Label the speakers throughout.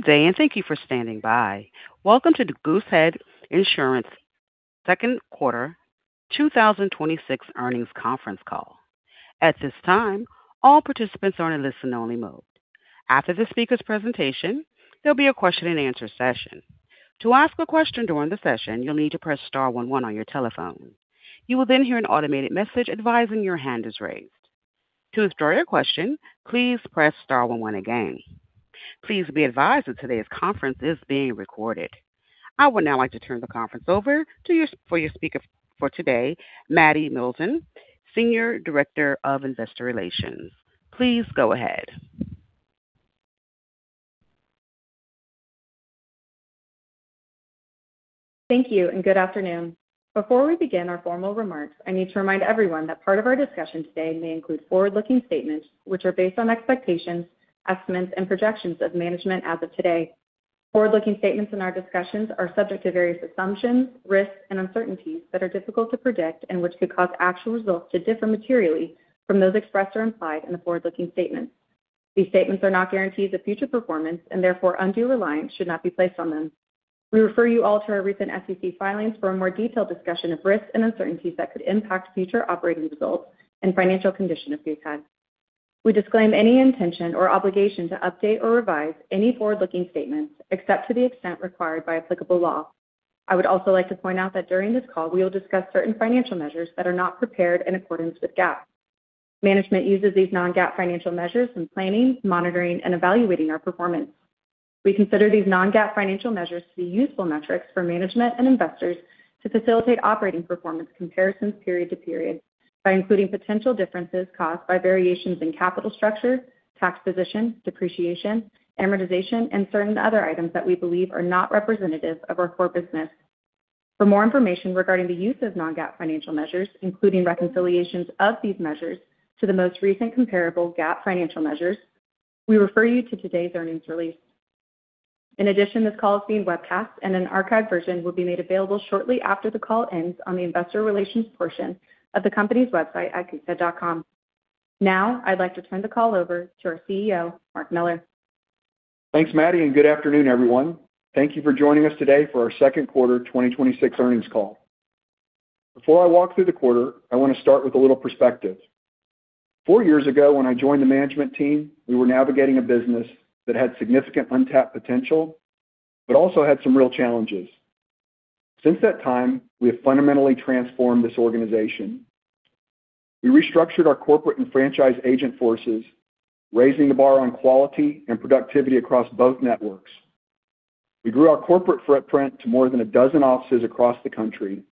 Speaker 1: Good day. Thank you for standing by. Welcome to the Goosehead Insurance second quarter 2026 earnings conference call. At this time, all participants are in listen-only mode. After the speaker's presentation, there'll be a question-and-answer session. To ask a question during the session, you'll need to press star one one on your telephone. You will then hear an automated message advising your hand is raised. To withdraw your question, please press star one one again. Please be advised that today's conference is being recorded. I would now like to turn the conference over for your speaker for today, Maddie Middleton, Senior Director of Investor Relations. Please go ahead.
Speaker 2: Thank you. Good afternoon. Before we begin our formal remarks, I need to remind everyone that part of our discussion today may include forward-looking statements, which are based on expectations, estimates, and projections of management as of today. Forward-looking statements in our discussions are subject to various assumptions, risks, and uncertainties that are difficult to predict and which could cause actual results to differ materially from those expressed or implied in the forward-looking statements. These statements are not guarantees of future performance and therefore undue reliance should not be placed on them. We refer you all to our recent SEC filings for a more detailed discussion of risks and uncertainties that could impact future operating results and financial condition of Goosehead. We disclaim any intention or obligation to update or revise any forward-looking statements, except to the extent required by applicable law. I would also like to point out that during this call, we will discuss certain financial measures that are not prepared in accordance with GAAP. Management uses these non-GAAP financial measures in planning, monitoring, and evaluating our performance. We consider these non-GAAP financial measures to be useful metrics for management and investors to facilitate operating performance comparisons period to period by including potential differences caused by variations in capital structure, tax position, depreciation, amortization, and certain other items that we believe are not representative of our core business. For more information regarding the use of non-GAAP financial measures, including reconciliations of these measures to the most recent comparable GAAP financial measures, we refer you to today's earnings release. In addition, this call is being webcast and an archived version will be made available shortly after the call ends on the investor relations portion of the company's website at goosehead.com. I'd like to turn the call over to our CEO, Mark Miller.
Speaker 3: Thanks, Maddie, good afternoon, everyone. Thank you for joining us today for our second quarter 2026 earnings call. Before I walk through the quarter, I want to start with a little perspective. four years ago, when I joined the management team, we were navigating a business that had significant untapped potential, but also had some real challenges. Since that time, we have fundamentally transformed this organization. We restructured our corporate and franchise agent forces, raising the bar on quality and productivity across both networks. We grew our corporate footprint to more than a dozen offices across the country.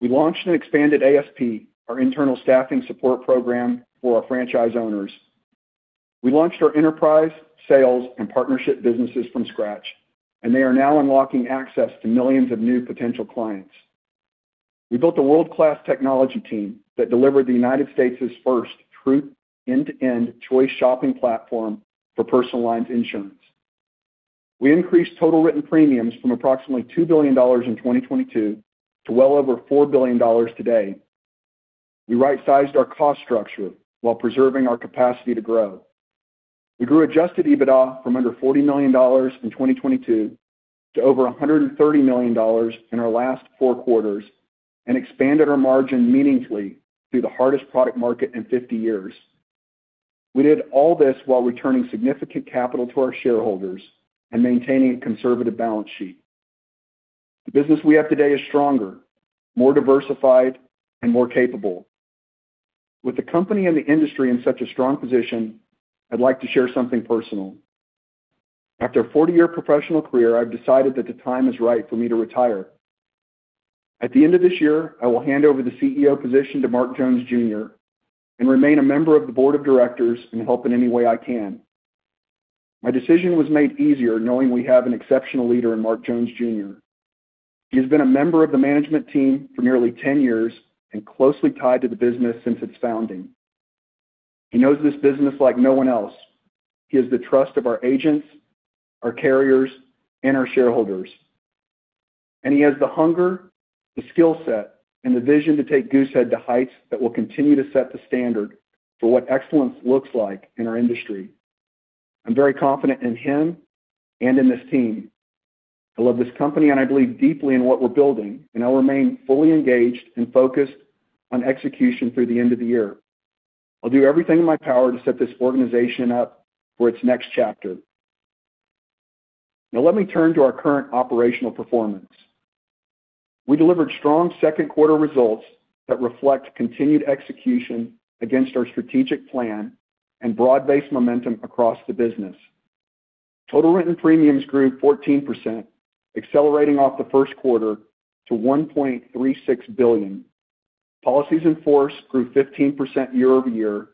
Speaker 3: We launched an expanded ASP, our internal staffing support program for our franchise owners. We launched our enterprise sales and partnership businesses from scratch, and they are now unlocking access to millions of new potential clients. We built a world-class technology team that delivered the U.S.'s first true end-to-end choice shopping platform for personal lines insurance. We increased total written premiums from approximately $2 billion in 2022 to well over $4 billion today. We right-sized our cost structure while preserving our capacity to grow. We grew adjusted EBITDA from under $40 million in 2022 to over $130 million in our last four quarters and expanded our margin meaningfully through the hardest product market in 50 years. We did all this while returning significant capital to our shareholders and maintaining a conservative balance sheet. The business we have today is stronger, more diversified, and more capable. With the company and the industry in such a strong position, I'd like to share something personal. After a 40-year professional career, I've decided that the time is right for me to retire. At the end of this year, I will hand over the CEO position to Mark Jones, Jr. and remain a member of the board of directors and help in any way I can. My decision was made easier knowing we have an exceptional leader in Mark Jones, Jr. He has been a member of the management team for nearly 10 years and closely tied to the business since its founding. He knows this business like no one else. He has the trust of our agents, our carriers, and our shareholders, and he has the hunger, the skillset, and the vision to take Goosehead to heights that will continue to set the standard for what excellence looks like in our industry. I'm very confident in him and in this team. I love this company, and I believe deeply in what we're building, and I'll remain fully engaged and focused on execution through the end of the year. I'll do everything in my power to set this organization up for its next chapter. Now let me turn to our current operational performance. We delivered strong second quarter results that reflect continued execution against our strategic plan and broad-based momentum across the business. Total written premiums grew 14%, accelerating off the first quarter to $1.36 billion. Policies in force grew 15% year-over-year,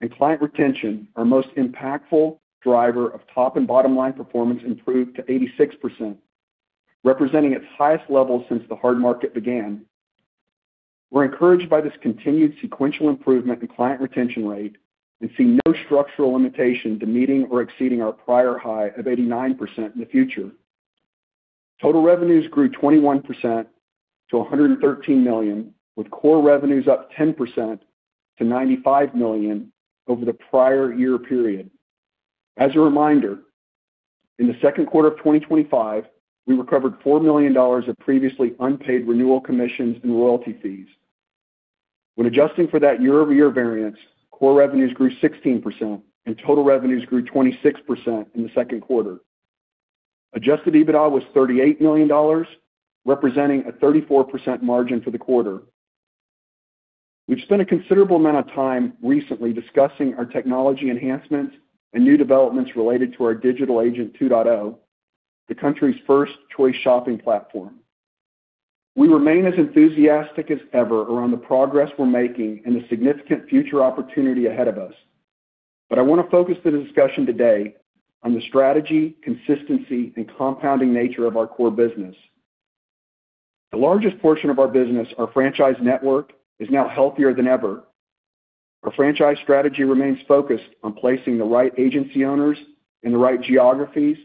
Speaker 3: and client retention, our most impactful driver of top and bottom line performance, improved to 86%, representing its highest level since the hard market began. We're encouraged by this continued sequential improvement in client retention rate and see no structural limitation to meeting or exceeding our prior high of 89% in the future. Total revenues grew 21% to $113 million, with core revenues up 10% to $95 million over the prior year period. As a reminder, in the second quarter of 2025, we recovered $4 million of previously unpaid renewal commissions and royalty fees. When adjusting for that year-over-year variance, core revenues grew 16% and total revenues grew 26% in the second quarter. Adjusted EBITDA was $38 million, representing a 34% margin for the quarter. We've spent a considerable amount of time recently discussing our technology enhancements and new developments related to our Digital Agent 2.0, the country's first choice shopping platform. I want to focus the discussion today on the strategy, consistency, and compounding nature of our core business. The largest portion of our business, our franchise network, is now healthier than ever. Our franchise strategy remains focused on placing the right agency owners in the right geographies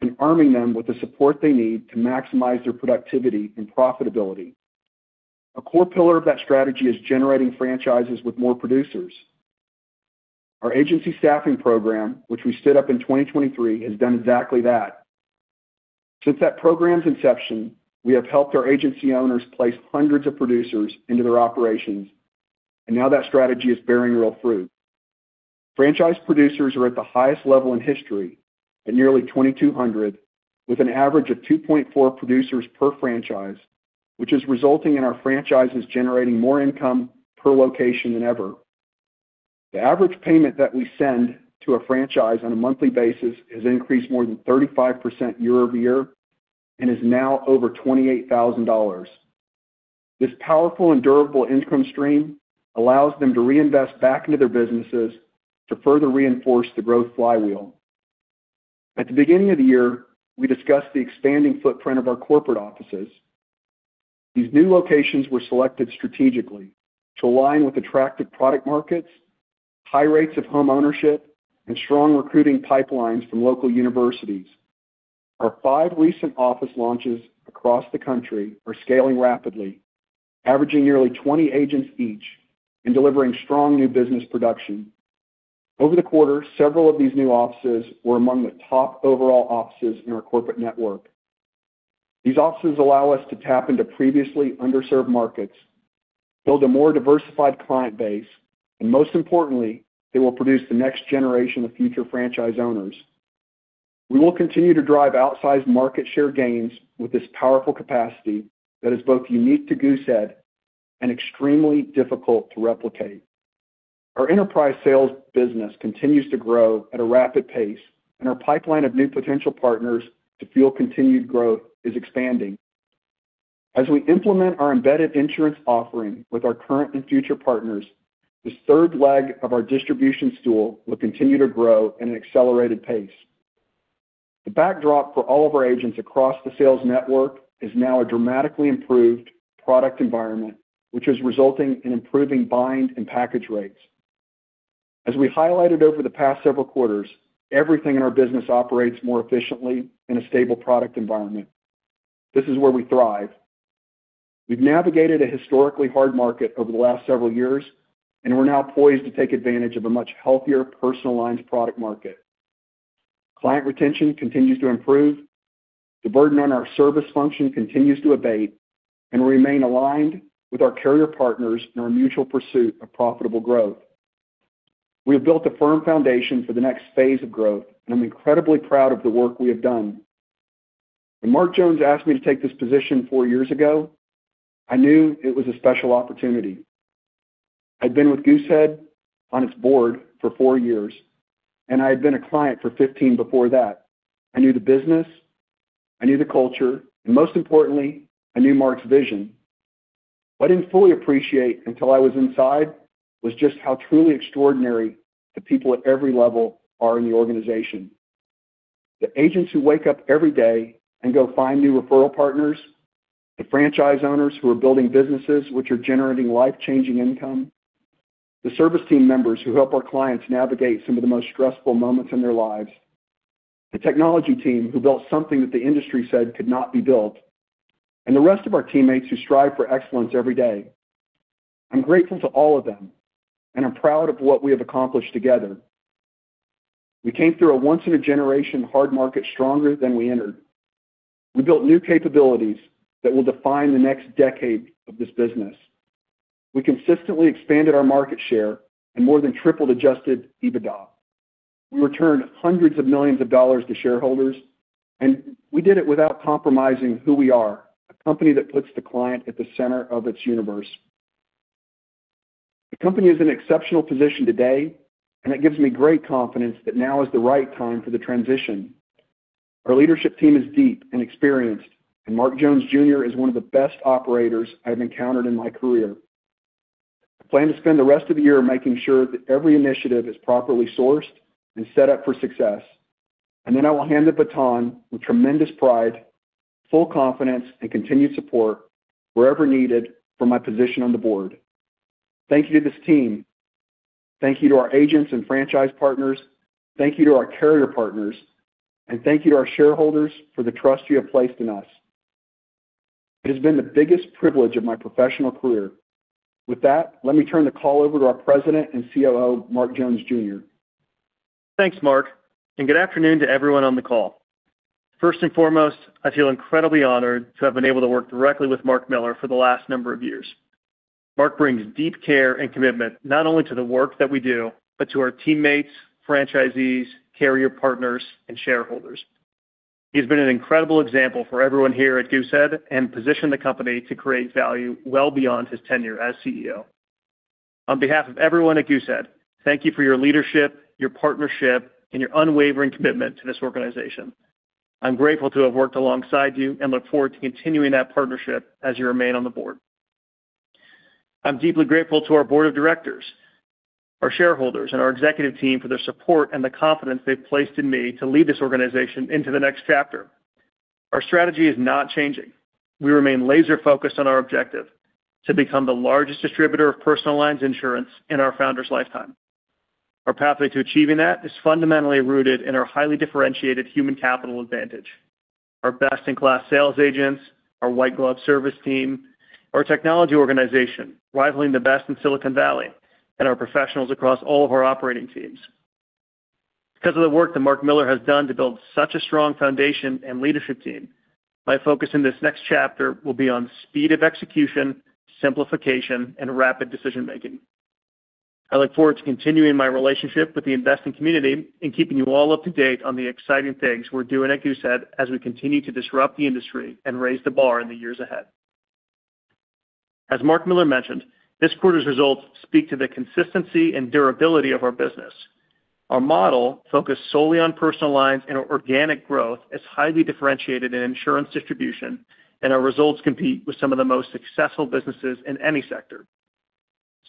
Speaker 3: and arming them with the support they need to maximize their productivity and profitability. A core pillar of that strategy is generating franchises with more producers. Our agency staffing program, which we stood up in 2023, has done exactly that. Since that program's inception, we have helped our agency owners place hundreds of producers into their operations, and now that strategy is bearing real fruit. Franchise producers are at the highest level in history at nearly 2,200, with an average of 2.4 producers per franchise, which is resulting in our franchises generating more income per location than ever. The average payment that we send to a franchise on a monthly basis has increased more than 35% year-over-year and is now over $28,000. This powerful and durable income stream allows them to reinvest back into their businesses to further reinforce the growth flywheel. At the beginning of the year, we discussed the expanding footprint of our corporate offices. These new locations were selected strategically to align with attractive product markets, high rates of home ownership, and strong recruiting pipelines from local universities. Our five recent office launches across the country are scaling rapidly, averaging nearly 20 agents each and delivering strong new business production. Over the quarter, several of these new offices were among the top overall offices in our corporate network. These offices allow us to tap into previously underserved markets, build a more diversified client base, and most importantly, they will produce the next generation of future franchise owners. We will continue to drive outsized market share gains with this powerful capacity that is both unique to Goosehead and extremely difficult to replicate. Our enterprise sales business continues to grow at a rapid pace, and our pipeline of new potential partners to fuel continued growth is expanding. As we implement our embedded insurance offering with our current and future partners, this third leg of our distribution stool will continue to grow at an accelerated pace. The backdrop for all of our agents across the sales network is now a dramatically improved product environment, which is resulting in improving bind and package rates. As we highlighted over the past several quarters, everything in our business operates more efficiently in a stable product environment. This is where we thrive. We've navigated a historically hard market over the last several years, and we're now poised to take advantage of a much healthier personal lines product market. Client retention continues to improve. The burden on our service function continues to abate, and we remain aligned with our carrier partners in our mutual pursuit of profitable growth. We have built a firm foundation for the next phase of growth, and I'm incredibly proud of the work we have done. When Mark Jones asked me to take this position four years ago, I knew it was a special opportunity. I'd been with Goosehead on its board for four years, and I had been a client for 15 years before that. I knew the business, I knew the culture, and most importantly, I knew Mark's vision. What I didn't fully appreciate until I was inside was just how truly extraordinary the people at every level are in the organization. The agents who wake up every day and go find new referral partners, the franchise owners who are building businesses which are generating life-changing income, the service team members who help our clients navigate some of the most stressful moments in their lives, the technology team who built something that the industry said could not be built, and the rest of our teammates who strive for excellence every day. I'm grateful to all of them, and I'm proud of what we have accomplished together. We came through a once-in-a-generation hard market stronger than we entered. We built new capabilities that will define the next decade of this business. We consistently expanded our market share and more than tripled adjusted EBITDA. We returned hundreds of millions dollars to shareholders, and we did it without compromising who we are, a company that puts the client at the center of its universe. The company is in an exceptional position today, and it gives me great confidence that now is the right time for the transition. Our leadership team is deep and experienced, and Mark Jones, Jr. is one of the best operators I have encountered in my career. I plan to spend the rest of the year making sure that every initiative is properly sourced and set up for success, and then I will hand the baton with tremendous pride, full confidence, and continued support wherever needed from my position on the board. Thank you to this team. Thank you to our agents and franchise partners. Thank you to our carrier partners, and thank you to our shareholders for the trust you have placed in us. It has been the biggest privilege of my professional career. With that, let me turn the call over to our President and COO, Mark Jones, Jr.
Speaker 4: Thanks, Mark, and good afternoon to everyone on the call. First and foremost, I feel incredibly honored to have been able to work directly with Mark Miller for the last number of years. Mark brings deep care and commitment not only to the work that we do, but to our teammates, franchisees, carrier partners, and shareholders. He's been an incredible example for everyone here at Goosehead and positioned the company to create value well beyond his tenure as CEO. On behalf of everyone at Goosehead, thank you for your leadership, your partnership, and your unwavering commitment to this organization. I'm grateful to have worked alongside you and look forward to continuing that partnership as you remain on the board. I'm deeply grateful to our board of directors, our shareholders, and our executive team for their support and the confidence they've placed in me to lead this organization into the next chapter. Our strategy is not changing. We remain laser-focused on our objective to become the largest distributor of personal lines insurance in our founder's lifetime. Our pathway to achieving that is fundamentally rooted in our highly differentiated human capital advantage. Our best-in-class sales agents, our white glove service team, our technology organization rivaling the best in Silicon Valley, and our professionals across all of our operating teams. Because of the work that Mark Miller has done to build such a strong foundation and leadership team, my focus in this next chapter will be on speed of execution, simplification, and rapid decision-making. I look forward to continuing my relationship with the investing community and keeping you all up to date on the exciting things we're doing at Goosehead as we continue to disrupt the industry and raise the bar in the years ahead. As Mark Miller mentioned, this quarter's results speak to the consistency and durability of our business. Our model, focused solely on personal lines and organic growth, is highly differentiated in insurance distribution, and our results compete with some of the most successful businesses in any sector.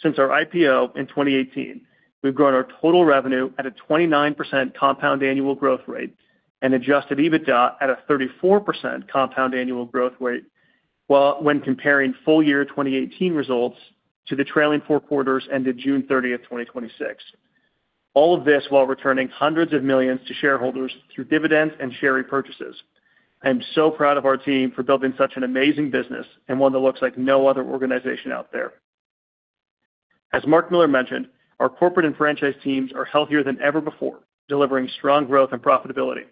Speaker 4: Since our IPO in 2018, we've grown our total revenue at a 29% compound annual growth rate and adjusted EBITDA at a 34% compound annual growth rate when comparing full year 2018 results to the trailing four quarters ended June 30th, 2026. All of this while returning hundreds of millions to shareholders through dividends and share repurchases. I am so proud of our team for building such an amazing business and one that looks like no other organization out there. As Mark Miller mentioned, our corporate and franchise teams are healthier than ever before, delivering strong growth and profitability.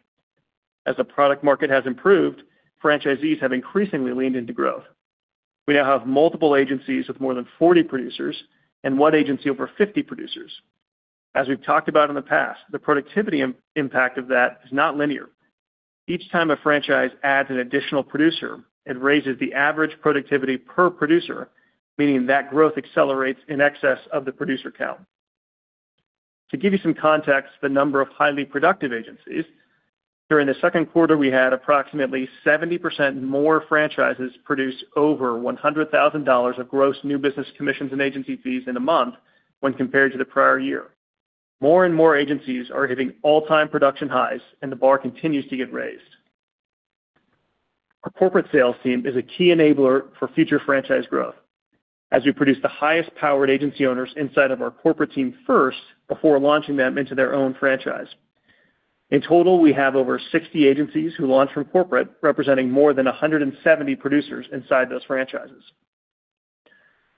Speaker 4: As the product market has improved, franchisees have increasingly leaned into growth. We now have multiple agencies with more than 40 producers and one agency over 50 producers. As we've talked about in the past, the productivity impact of that is not linear. Each time a franchise adds an additional producer, it raises the average productivity per producer, meaning that growth accelerates in excess of the producer count. To give you some context, the number of highly productive agencies, during the second quarter, we had approximately 70% more franchises produce over $100,000 of gross new business commissions and agency fees in a month when compared to the prior year. More and more agencies are hitting all-time production highs, and the bar continues to get raised. Our corporate sales team is a key enabler for future franchise growth as we produce the highest-powered agency owners inside of our corporate team first, before launching them into their own franchise. In total, we have over 60 agencies who launch from corporate, representing more than 170 producers inside those franchises.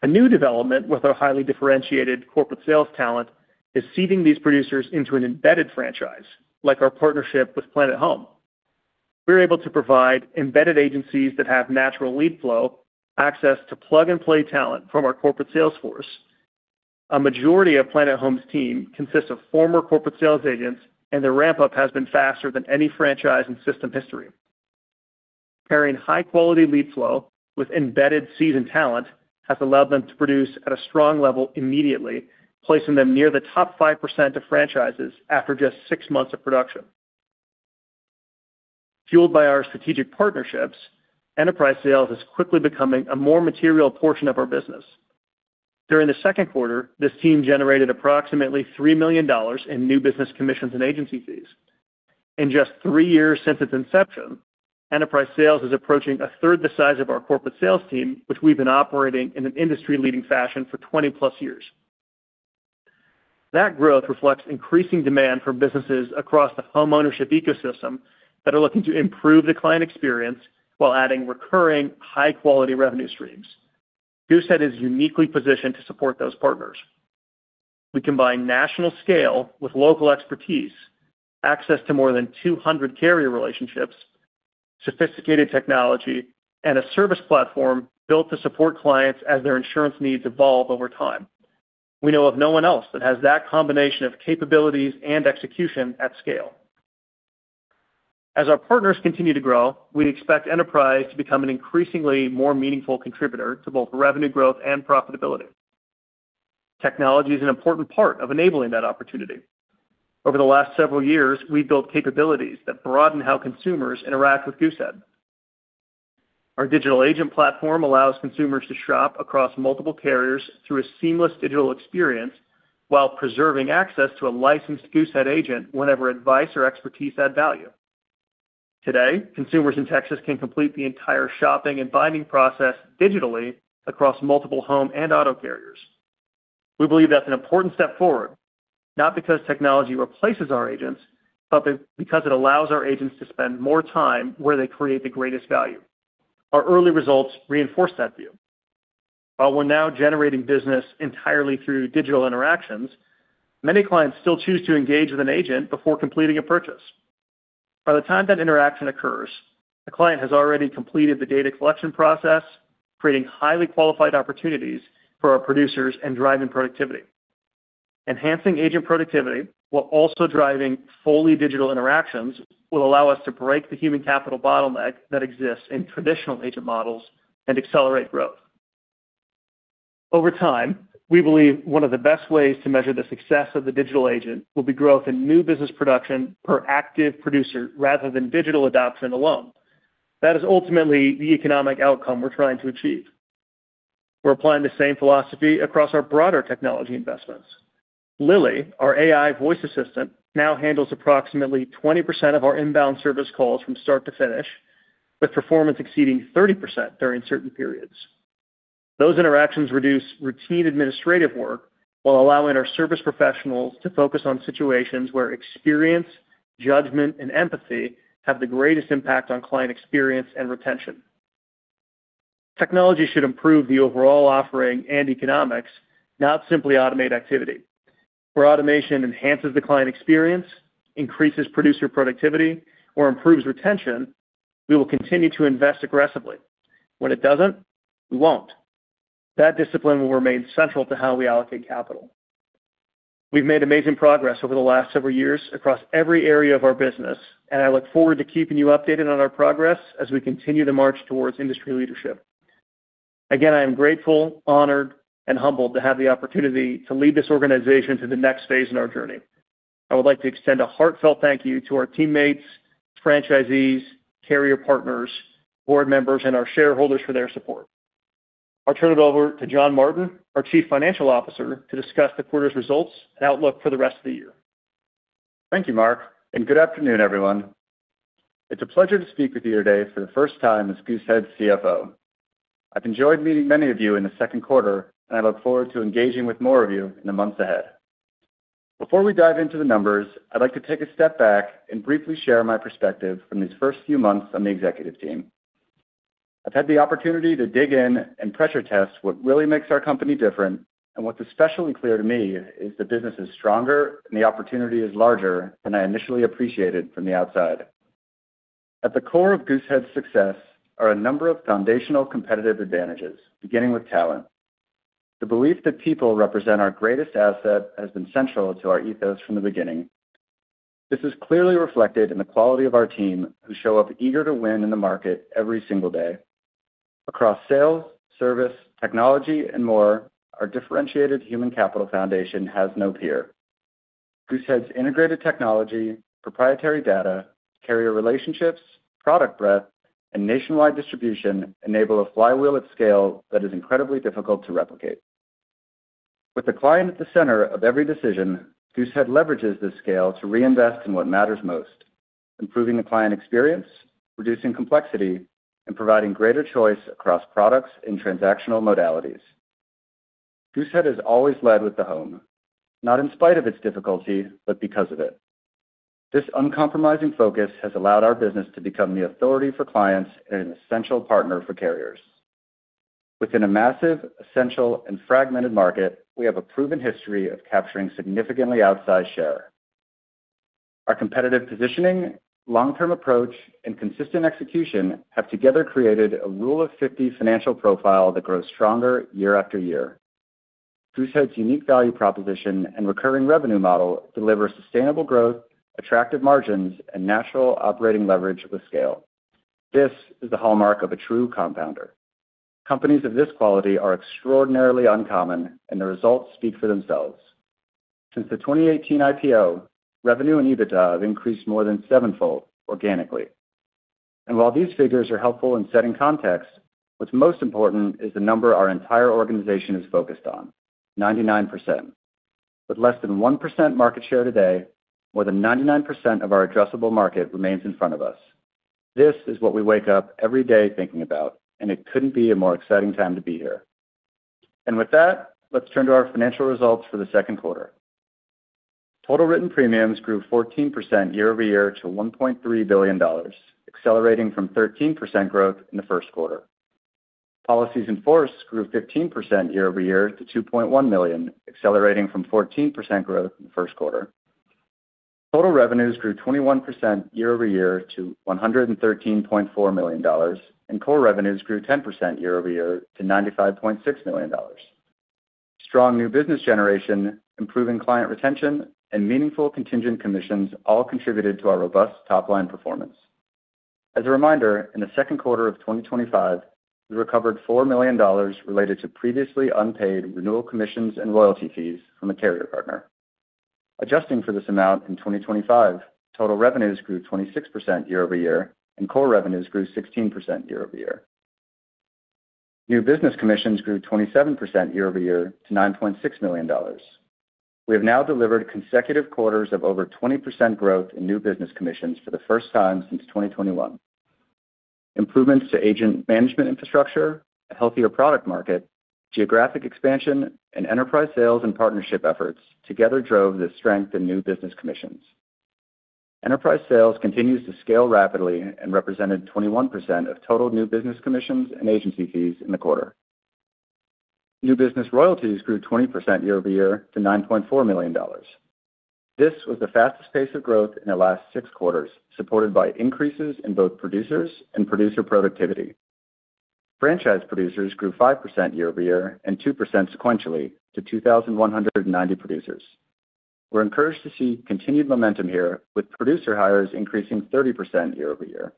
Speaker 4: A new development with our highly differentiated corporate sales talent is seeding these producers into an embedded franchise, like our partnership with Planet Home. We're able to provide embedded agencies that have natural lead flow access to plug-and-play talent from our corporate sales force. A majority of Planet Home's team consists of former corporate sales agents, and their ramp-up has been faster than any franchise in system history. Pairing high-quality lead flow with embedded seasoned talent has allowed them to produce at a strong level immediately, placing them near the top 5% of franchises after just six months of production. Fueled by our strategic partnerships, enterprise sales is quickly becoming a more material portion of our business. During the second quarter, this team generated approximately $3 million in new business commissions and agency fees. In just three years since its inception, enterprise sales is approaching a third the size of our corporate sales team, which we've been operating in an industry-leading fashion for 20+ years. That growth reflects increasing demand for businesses across the homeownership ecosystem that are looking to improve the client experience while adding recurring, high-quality revenue streams. Goosehead is uniquely positioned to support those partners. We combine national scale with local expertise, access to more than 200 carrier relationships, sophisticated technology, and a service platform built to support clients as their insurance needs evolve over time. We know of no one else that has that combination of capabilities and execution at scale. As our partners continue to grow, we expect enterprise to become an increasingly more meaningful contributor to both revenue growth and profitability. Technology is an important part of enabling that opportunity. Over the last several years, we've built capabilities that broaden how consumers interact with Goosehead. Our digital agent platform allows consumers to shop across multiple carriers through a seamless digital experience while preserving access to a licensed Goosehead agent whenever advice or expertise add value. Today, consumers in Texas can complete the entire shopping and binding process digitally across multiple home and auto carriers. We believe that's an important step forward, not because technology replaces our agents, but because it allows our agents to spend more time where they create the greatest value. Our early results reinforce that view. While we're now generating business entirely through digital interactions, many clients still choose to engage with an agent before completing a purchase. By the time that interaction occurs, the client has already completed the data collection process, creating highly qualified opportunities for our producers and driving productivity. Enhancing agent productivity while also driving fully digital interactions will allow us to break the human capital bottleneck that exists in traditional agent models and accelerate growth. Over time, we believe one of the best ways to measure the success of the digital agent will be growth in new business production per active producer rather than digital adoption alone. That is ultimately the economic outcome we're trying to achieve. We're applying the same philosophy across our broader technology investments. Lily, our AI voice assistant, now handles approximately 20% of our inbound service calls from start to finish, with performance exceeding 30% during certain periods. Those interactions reduce routine administrative work while allowing our service professionals to focus on situations where experience, judgment, and empathy have the greatest impact on client experience and retention. Technology should improve the overall offering and economics, not simply automate activity. Where automation enhances the client experience, increases producer productivity, or improves retention, we will continue to invest aggressively. When it doesn't, we won't. That discipline will remain central to how we allocate capital. We've made amazing progress over the last several years across every area of our business. I look forward to keeping you updated on our progress as we continue to march towards industry leadership. Again, I am grateful, honored, and humbled to have the opportunity to lead this organization to the next phase in our journey. I would like to extend a heartfelt thank you to our teammates, franchisees, carrier partners, board members, and our shareholders for their support. I'll turn it over to John Martin, our chief financial officer, to discuss the quarter's results and outlook for the rest of the year.
Speaker 5: Thank you, Mark. Good afternoon, everyone. It's a pleasure to speak with you today for the first time as Goosehead CFO. I've enjoyed meeting many of you in the second quarter. I look forward to engaging with more of you in the months ahead. Before we dive into the numbers, I'd like to take a step back and briefly share my perspective from these first few months on the executive team. I've had the opportunity to dig in and pressure test what really makes our company different. What's especially clear to me is the business is stronger and the opportunity is larger than I initially appreciated from the outside. At the core of Goosehead's success are a number of foundational competitive advantages, beginning with talent. The belief that people represent our greatest asset has been central to our ethos from the beginning. This is clearly reflected in the quality of our team, who show up eager to win in the market every single day. Across sales, service, technology, and more, our differentiated human capital foundation has no peer. Goosehead's integrated technology, proprietary data, carrier relationships, product breadth, and nationwide distribution enable a flywheel at scale that is incredibly difficult to replicate. With the client at the center of every decision, Goosehead leverages this scale to reinvest in what matters most, improving the client experience, reducing complexity, and providing greater choice across products and transactional modalities. Goosehead has always led with the home, not in spite of its difficulty, but because of it. This uncompromising focus has allowed our business to become the authority for clients and an essential partner for carriers. Within a massive, essential, and fragmented market, we have a proven history of capturing significantly outsized share. Our competitive positioning, long-term approach, and consistent execution have together created a rule-of-50 financial profile that grows stronger year after year. Goosehead's unique value proposition and recurring revenue model deliver sustainable growth, attractive margins, and natural operating leverage with scale. This is the hallmark of a true compounder. Companies of this quality are extraordinarily uncommon, and the results speak for themselves. Since the 2018 IPO, revenue and EBITDA have increased more than sevenfold organically. While these figures are helpful in setting context, what's most important is the number our entire organization is focused on, 99%. With less than 1% market share today, more than 99% of our addressable market remains in front of us. This is what we wake up every day thinking about, and it couldn't be a more exciting time to be here. With that, let's turn to our financial results for the second quarter. Total written premiums grew 14% year-over-year to $1.3 billion, accelerating from 13% growth in the first quarter. Policies in force grew 15% year-over-year to 2.1 million, accelerating from 14% growth in the first quarter. Total revenues grew 21% year-over-year to $113.4 million, and core revenues grew 10% year-over-year to $95.6 million. Strong new business generation, improving client retention, and meaningful contingent commissions all contributed to our robust top-line performance. As a reminder, in the second quarter of 2025, we recovered $4 million related to previously unpaid renewal commissions and royalty fees from a carrier partner. Adjusting for this amount in 2025, total revenues grew 26% year-over-year, and core revenues grew 16% year-over-year. New business commissions grew 27% year-over-year to $9.6 million. We have now delivered consecutive quarters of over 20% growth in new business commissions for the first time since 2021. Improvements to agent management infrastructure, a healthier product market, geographic expansion, and enterprise sales and partnership efforts together drove the strength in new business commissions. Enterprise sales continues to scale rapidly and represented 21% of total new business commissions and agency fees in the quarter. New business royalties grew 20% year-over-year to $9.4 million. This was the fastest pace of growth in the last six quarters, supported by increases in both producers and producer productivity. Franchise producers grew 5% year-over-year and 2% sequentially to 2,190 producers. We're encouraged to see continued momentum here with producer hires increasing 30% year-over-year.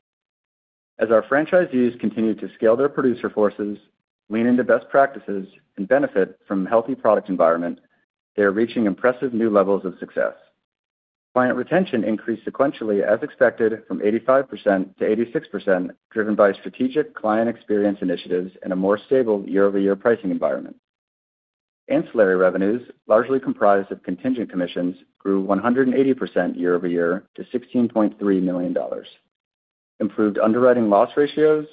Speaker 5: As our franchisees continue to scale their producer forces, lean into best practices, and benefit from healthy product environment, they are reaching impressive new levels of success. Client retention increased sequentially as expected from 85%-86%, driven by strategic client experience initiatives and a more stable year-over-year pricing environment. Ancillary revenues, largely comprised of contingent commissions, grew 180% year-over-year to $16.3 million. Improved underwriting loss ratios,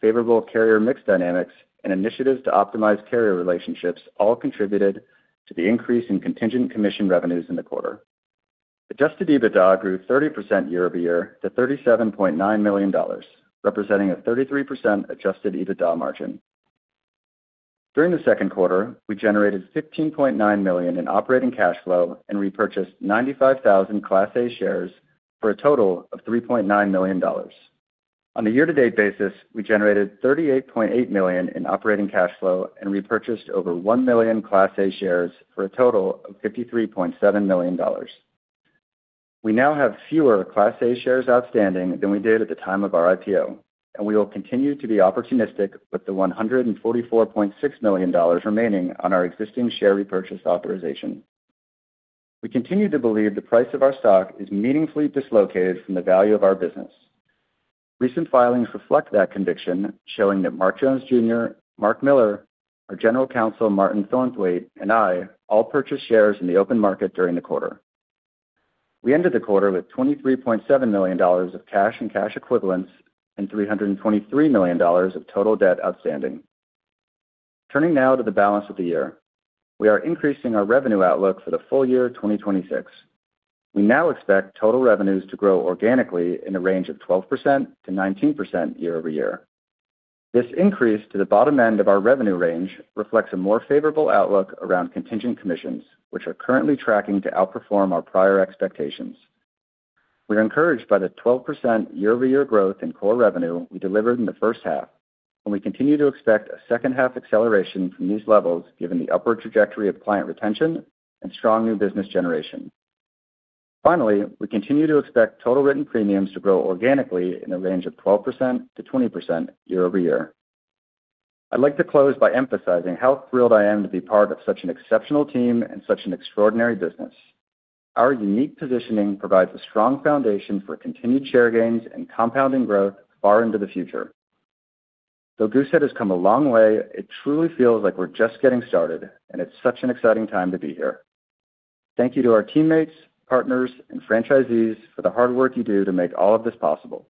Speaker 5: favorable carrier mix dynamics, and initiatives to optimize carrier relationships all contributed to the increase in contingent commission revenues in the quarter. Adjusted EBITDA grew 30% year-over-year to $37.9 million, representing a 33% adjusted EBITDA margin. During the second quarter, we generated $15.9 million in operating cash flow and repurchased 95,000 Class A shares for a total of $3.9 million. On a year-to-date basis, we generated $38.8 million in operating cash flow and repurchased over 1 million Class A shares for a total of $53.7 million. We now have fewer Class A shares outstanding than we did at the time of our IPO, and we will continue to be opportunistic with the $144.6 million remaining on our existing share repurchase authorization. We continue to believe the price of our stock is meaningfully dislocated from the value of our business. Recent filings reflect that conviction, showing that Mark Jones, Jr., Mark Miller, our General Counsel, Martin Thornthwaite, and I all purchased shares in the open market during the quarter. We ended the quarter with $23.7 million of cash and cash equivalents and $323 million of total debt outstanding. Turning now to the balance of the year. We are increasing our revenue outlook for the full year 2026. We now expect total revenues to grow organically in a range of 12%-19% year-over-year. This increase to the bottom end of our revenue range reflects a more favorable outlook around contingent commissions, which are currently tracking to outperform our prior expectations. We're encouraged by the 12% year-over-year growth in core revenue we delivered in the first half, and we continue to expect a second half acceleration from these levels given the upward trajectory of client retention and strong new business generation. Finally, we continue to expect total written premiums to grow organically in a range of 12%-20% year-over-year. I'd like to close by emphasizing how thrilled I am to be part of such an exceptional team and such an extraordinary business. Our unique positioning provides a strong foundation for continued share gains and compounding growth far into the future. Though Goosehead has come a long way, it truly feels like we're just getting started, and it's such an exciting time to be here. Thank you to our teammates, partners and franchisees for the hard work you do to make all of this possible.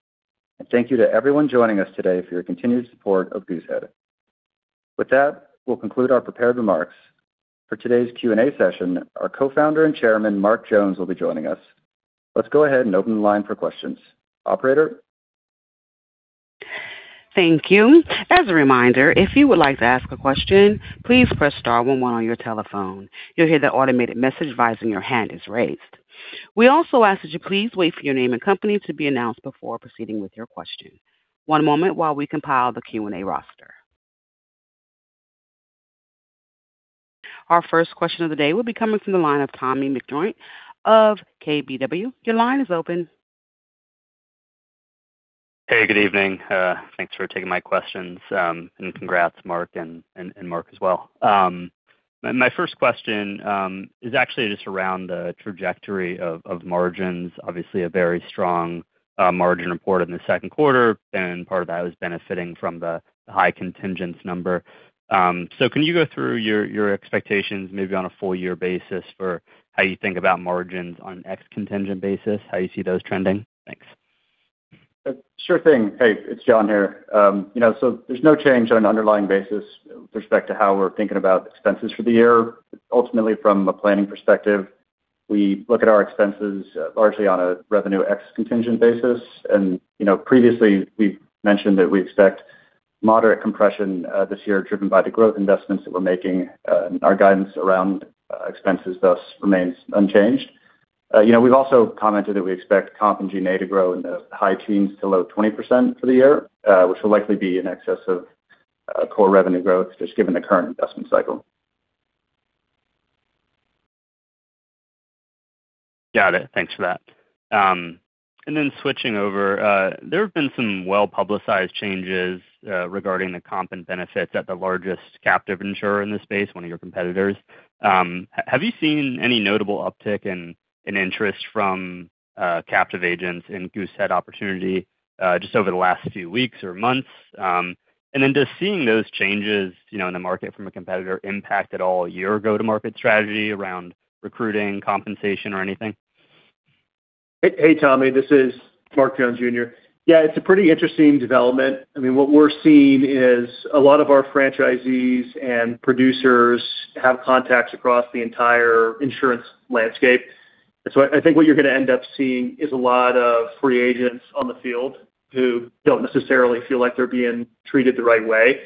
Speaker 5: Thank you to everyone joining us today for your continued support of Goosehead. With that, we'll conclude our prepared remarks. For today's Q&A session, our Co-founder and Executive Chairman, Mark Jones, will be joining us. Let's go ahead and open the line for questions. Operator?
Speaker 1: Thank you. As a reminder, if you would like to ask a question, please press star one one on your telephone. You'll hear the automated message advising your hand is raised. We also ask that you please wait for your name and company to be announced before proceeding with your question. One moment while we compile the Q&A roster. Our first question of the day will be coming from the line of Tommy McJoynt of KBW. Your line is open.
Speaker 6: Good evening. Thanks for taking my questions, and congrats, Mark, and Mark as well. My first question is actually just around the trajectory of margins. Obviously a very strong margin report in the second quarter, and part of that was benefiting from the high contingents number. Can you go through your expectations maybe on a full year basis for how you think about margins on ex contingent basis, how you see those trending? Thanks.
Speaker 5: Sure thing. Hey, it's John here. There's no change on an underlying basis with respect to how we're thinking about expenses for the year. Ultimately, from a planning perspective, we look at our expenses largely on a revenue ex contingent basis. Previously we've mentioned that we expect moderate compression this year driven by the growth investments that we're making. Our guidance around expenses thus remains unchanged. We've also commented that we expect comp and G&A to grow in the high teens to low 20% for the year, which will likely be in excess of core revenue growth just given the current investment cycle.
Speaker 6: Got it. Thanks for that. Switching over, there have been some well publicized changes regarding the comp and benefits at the largest captive insurer in this space, one of your competitors. Have you seen any notable uptick in interest from captive agents in Goosehead opportunity? Just over the last few weeks or months. Does seeing those changes in the market from a competitor impact at all your go-to-market strategy around recruiting, compensation, or anything?
Speaker 4: Hey, Tommy, this is Mark Jones, Jr. Yeah, it's a pretty interesting development. What we're seeing is a lot of our franchisees and producers have contacts across the entire insurance landscape. I think what you're going to end up seeing is a lot of free agents on the field who don't necessarily feel like they're being treated the right way.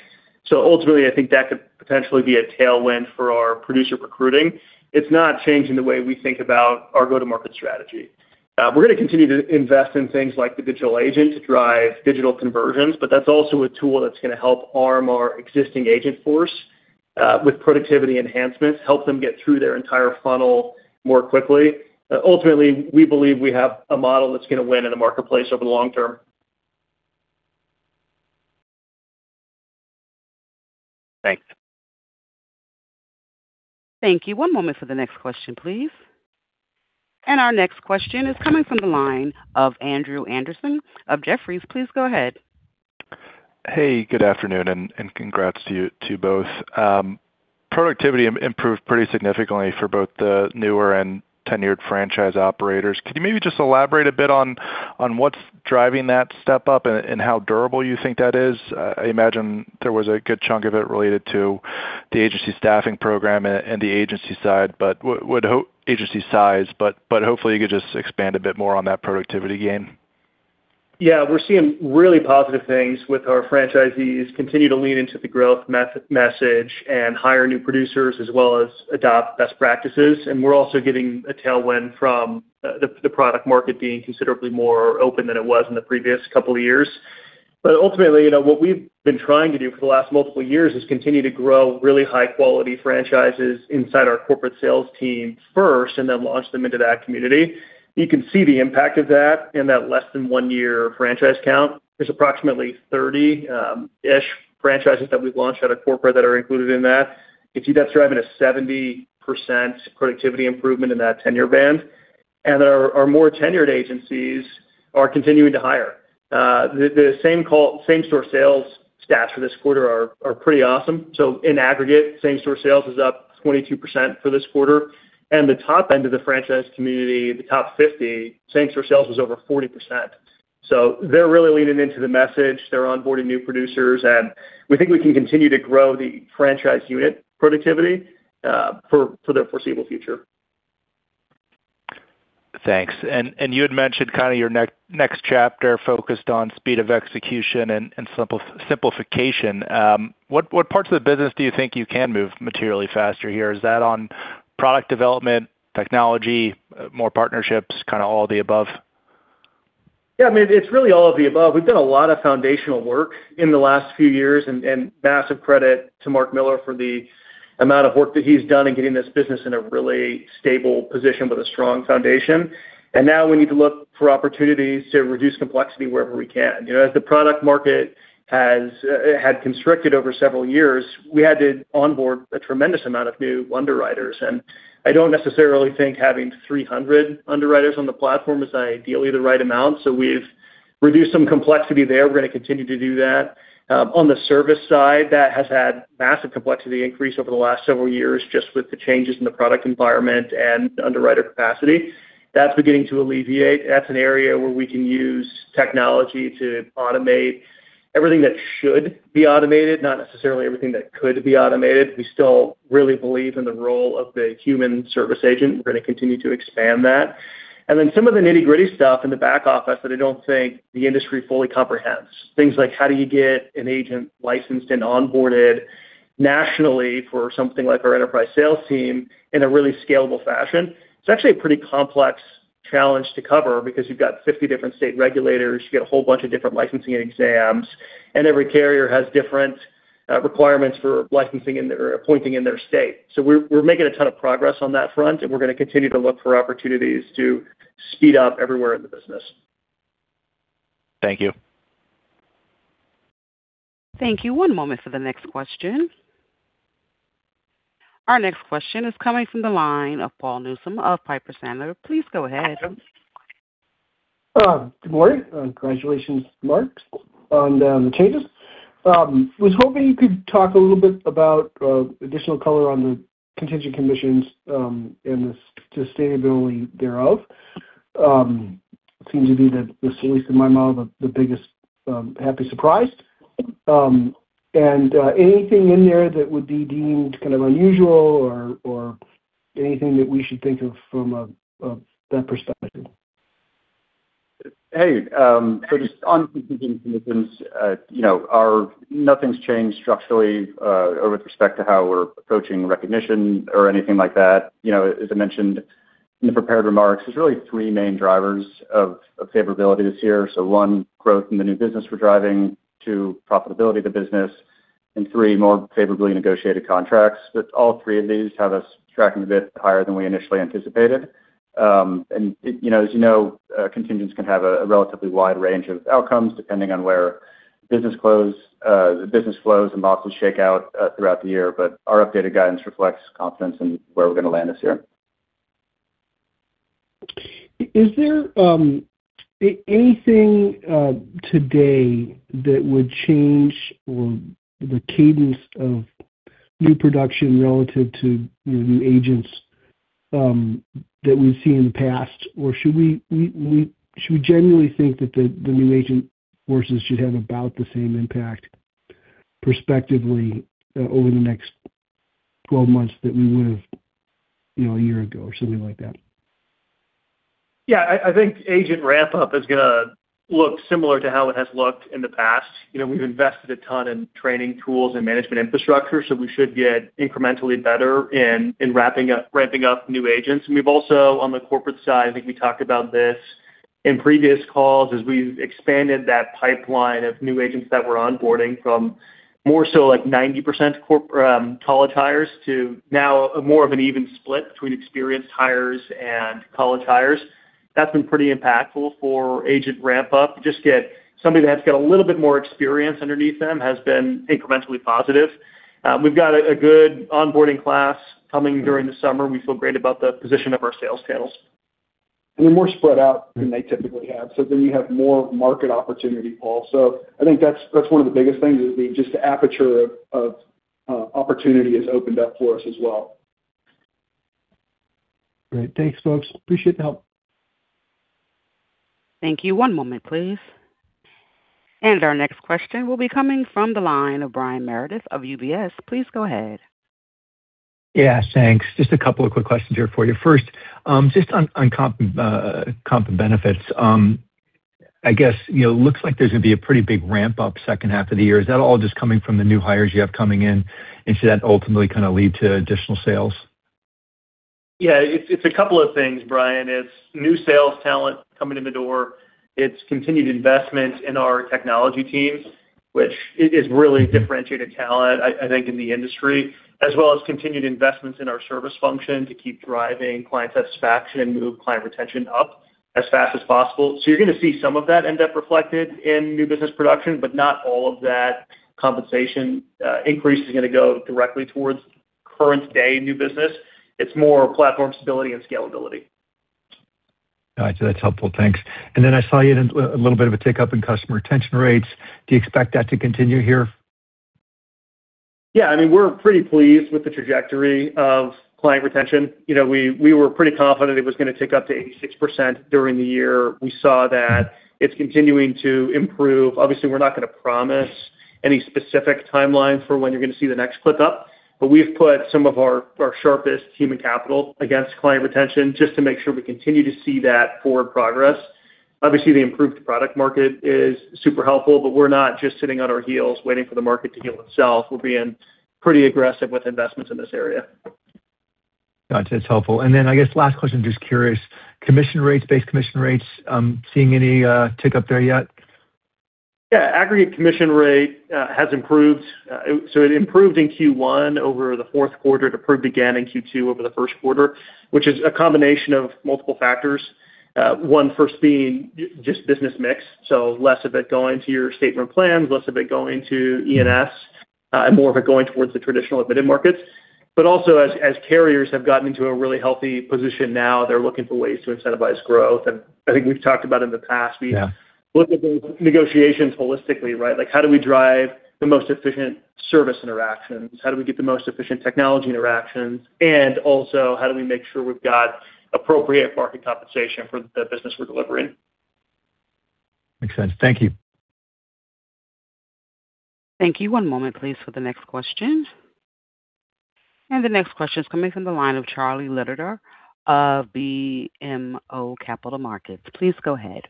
Speaker 4: Ultimately, I think that could potentially be a tailwind for our producer recruiting. It's not changing the way we think about our go-to-market strategy. We're going to continue to invest in things like the Digital Agent to drive digital conversions, but that's also a tool that's going to help arm our existing agent force, with productivity enhancements, help them get through their entire funnel more quickly. Ultimately, we believe we have a model that's going to win in the marketplace over the long term.
Speaker 6: Thanks.
Speaker 1: Thank you. One moment for the next question, please. Our next question is coming from the line of Andrew Andersen of Jefferies. Please go ahead.
Speaker 7: Hey, good afternoon. Congrats to you two both. Productivity improved pretty significantly for both the newer and tenured franchise operators. Could you maybe just elaborate a bit on what's driving that step up and how durable you think that is? I imagine there was a good chunk of it related to the agency staffing program and the agency size, hopefully you could just expand a bit more on that productivity gain.
Speaker 4: Yeah. We're seeing really positive things with our franchisees continue to lean into the growth message and hire new producers as well as adopt best practices. We're also getting a tailwind from the product market being considerably more open than it was in the previous couple of years. Ultimately, what we've been trying to do for the last multiple years is continue to grow really high quality franchises inside our corporate sales team first, then launch them into that community. You can see the impact of that in that less than one year franchise count. There's approximately 30-ish franchises that we've launched out of corporate that are included in that. I think that's driving a 70% productivity improvement in that tenure band. Our more tenured agencies are continuing to hire. The same store sales stats for this quarter are pretty awesome. In aggregate, same store sales is up 22% for this quarter. The top end of the franchise community, the top 50, same store sales was over 40%. They're really leaning into the message. They're onboarding new producers, we think we can continue to grow the franchise unit productivity for the foreseeable future.
Speaker 7: Thanks. You had mentioned your next chapter focused on speed of execution and simplification. What parts of the business do you think you can move materially faster here? Is that on product development, technology, more partnerships, all of the above?
Speaker 4: Yeah, it's really all of the above. We've done a lot of foundational work in the last few years, massive credit to Mark Miller for the amount of work that he's done in getting this business in a really stable position with a strong foundation. Now we need to look for opportunities to reduce complexity wherever we can. As the product market had constricted over several years, we had to onboard a tremendous amount of new underwriters. I don't necessarily think having 300 underwriters on the platform is ideally the right amount. We've reduced some complexity there. We're going to continue to do that. On the service side, that has had massive complexity increase over the last several years just with the changes in the product environment and underwriter capacity. That's beginning to alleviate. That's an area where we can use technology to automate everything that should be automated, not necessarily everything that could be automated. We still really believe in the role of the human service agent. We're going to continue to expand that. Then some of the nitty-gritty stuff in the back office that I don't think the industry fully comprehends. Things like how do you get an agent licensed and onboarded nationally for something like our enterprise sales team in a really scalable fashion? It's actually a pretty complex challenge to cover because you've got 50 different state regulators, you get a whole bunch of different licensing exams, every carrier has different requirements for appointing in their state. We're making a ton of progress on that front, we're going to continue to look for opportunities to speed up everywhere in the business.
Speaker 7: Thank you.
Speaker 1: Thank you. One moment for the next question. Our next question is coming from the line of Paul Newsome of Piper Sandler. Please go ahead.
Speaker 8: Good morning. Congratulations, Mark, on the changes. Was hoping you could talk a little bit about additional color on the contingent commissions, and the sustainability thereof. Seems to be the, at least in my mind, the biggest happy surprise. Anything in there that would be deemed kind of unusual or anything that we should think of from that perspective?
Speaker 5: Just on contingent commissions, nothing's changed structurally, or with respect to how we're approaching recognition or anything like that. As I mentioned in the prepared remarks, there's really three main drivers of favorability this year. One, growth in the new business we're driving, two, profitability of the business, and three, more favorably negotiated contracts. All three of these have us tracking a bit higher than we initially anticipated. As you know, contingents can have a relatively wide range of outcomes depending on where the business flows and models shake out throughout the year. Our updated guidance reflects confidence in where we're going to land this year.
Speaker 8: Is there anything today that would change or the cadence of new production relative to new agents that we've seen in the past? Should we genuinely think that the new agent forces should have about the same impact prospectively over the next 12 months that we would've a year ago or something like that?
Speaker 4: Yeah. I think agent ramp up is going to look similar to how it has looked in the past. We've invested a ton in training tools and management infrastructure, so we should get incrementally better in ramping up new agents. We've also, on the corporate side, I think we talked about this in previous calls, as we've expanded that pipeline of new agents that we're onboarding from more so like 90% college hires to now more of an even split between experienced hires and college hires. That's been pretty impactful for agent ramp up. Just get somebody that's got a little bit more experience underneath them has been incrementally positive. We've got a good onboarding class coming during the summer. We feel great about the position of our sales channels.
Speaker 9: We're more spread out than they typically have, you have more market opportunity, Paul. I think that's one of the biggest things is the just the aperture of opportunity has opened up for us as well.
Speaker 8: Great. Thanks, folks. Appreciate the help.
Speaker 1: Thank you. One moment, please. Our next question will be coming from the line of Brian Meredith of UBS. Please go ahead.
Speaker 10: Thanks. Just a couple of quick questions here for you. First, just on comp and benefits. I guess, it looks like there's going to be a pretty big ramp up second half of the year. Is that all just coming from the new hires you have coming in? Should that ultimately lead to additional sales?
Speaker 4: It's a couple of things, Brian. It's new sales talent coming in the door. It's continued investment in our technology teams, which is really differentiated talent, I think in the industry, as well as continued investments in our service function to keep driving client satisfaction and move client retention up as fast as possible. You're going to see some of that end up reflected in new business production, but not all of that compensation increase is going to go directly towards current day new business. It's more platform stability and scalability.
Speaker 10: Got you. That's helpful. Thanks. I saw you had a little bit of a tick up in customer retention rates. Do you expect that to continue here?
Speaker 4: We're pretty pleased with the trajectory of client retention. We were pretty confident it was going to tick up to 86% during the year. We saw that it's continuing to improve. Obviously, we're not going to promise any specific timeline for when you're going to see the next click up, but we've put some of our sharpest human capital against client retention just to make sure we continue to see that forward progress. Obviously, the improved product market is super helpful, but we're not just sitting on our heels waiting for the market to heal itself. We're being pretty aggressive with investments in this area.
Speaker 10: Got you. It's helpful. I guess last question, just curious, commission rates, base commission rates, seeing any tick up there yet?
Speaker 4: Yeah, aggregate commission rate has improved. It improved in Q1 over the fourth quarter. It improved again in Q2 over the first quarter, which is a combination of multiple factors. One first being just business mix, less of it going to your statement plans, less of it going to E&S, and more of it going towards the traditional admitted markets. As carriers have gotten into a really healthy position now, they're looking for ways to incentivize growth. I think we've talked about in the past.
Speaker 10: Yeah.
Speaker 4: We look at those negotiations holistically, right? Like, how do we drive the most efficient service interactions? How do we get the most efficient technology interactions? How do we make sure we've got appropriate market compensation for the business we're delivering?
Speaker 10: Makes sense. Thank you.
Speaker 1: Thank you. One moment, please, for the next question. The next question is coming from the line of Charlie Litterer of BMO Capital Markets. Please go ahead.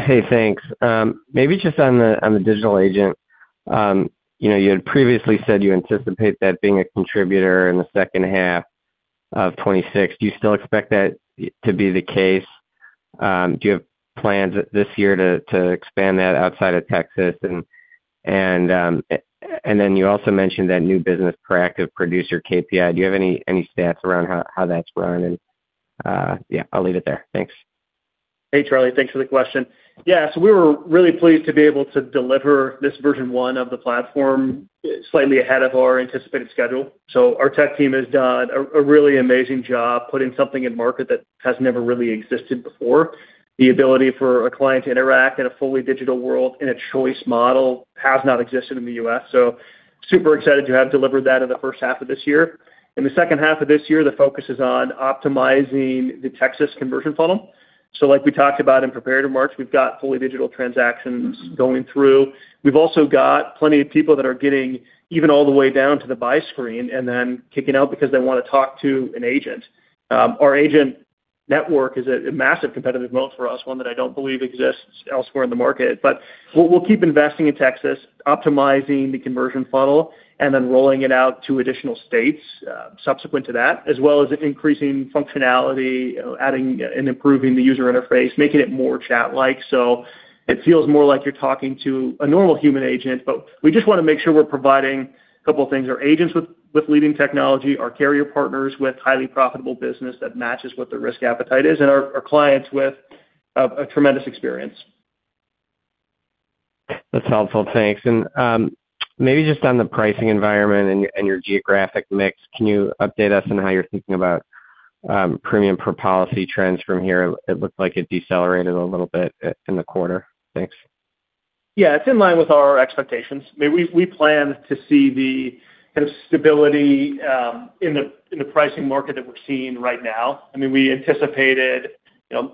Speaker 11: Hey, thanks. Maybe just on the digital agent. You had previously said you anticipate that being a contributor in the second half of 2026. Do you still expect that to be the case? Do you have plans this year to expand that outside of Texas? Then you also mentioned that new business proactive producer KPI. Do you have any stats around how that's run? Yeah, I'll leave it there. Thanks.
Speaker 4: Hey, Charlie. Thanks for the question. Yeah. We were really pleased to be able to deliver this version one of the platform slightly ahead of our anticipated schedule. Our tech team has done a really amazing job putting something in market that has never really existed before. The ability for a client to interact in a fully digital world in a choice model has not existed in the U.S. Super excited to have delivered that in the first half of this year. In the second half of this year, the focus is on optimizing the Texas conversion funnel. Like we talked about in prepared remarks, we've got fully digital transactions going through. We've also got plenty of people that are getting even all the way down to the buy screen and then kicking out because they want to talk to an agent. Our agent network is a massive competitive moat for us, one that I don't believe exists elsewhere in the market. We'll keep investing in Texas, optimizing the conversion funnel, and then rolling it out to additional states subsequent to that, as well as increasing functionality, adding and improving the user interface, making it more chat-like, so it feels more like you're talking to a normal human agent. We just want to make sure we're providing a couple of things: our agents with leading technology, our carrier partners with highly profitable business that matches what their risk appetite is, and our clients with a tremendous experience.
Speaker 11: That's helpful. Thanks. Maybe just on the pricing environment and your geographic mix, can you update us on how you're thinking about premium per policy trends from here? It looked like it decelerated a little bit in the quarter. Thanks.
Speaker 4: Yeah. It's in line with our expectations. We plan to see the kind of stability in the pricing market that we're seeing right now. We anticipated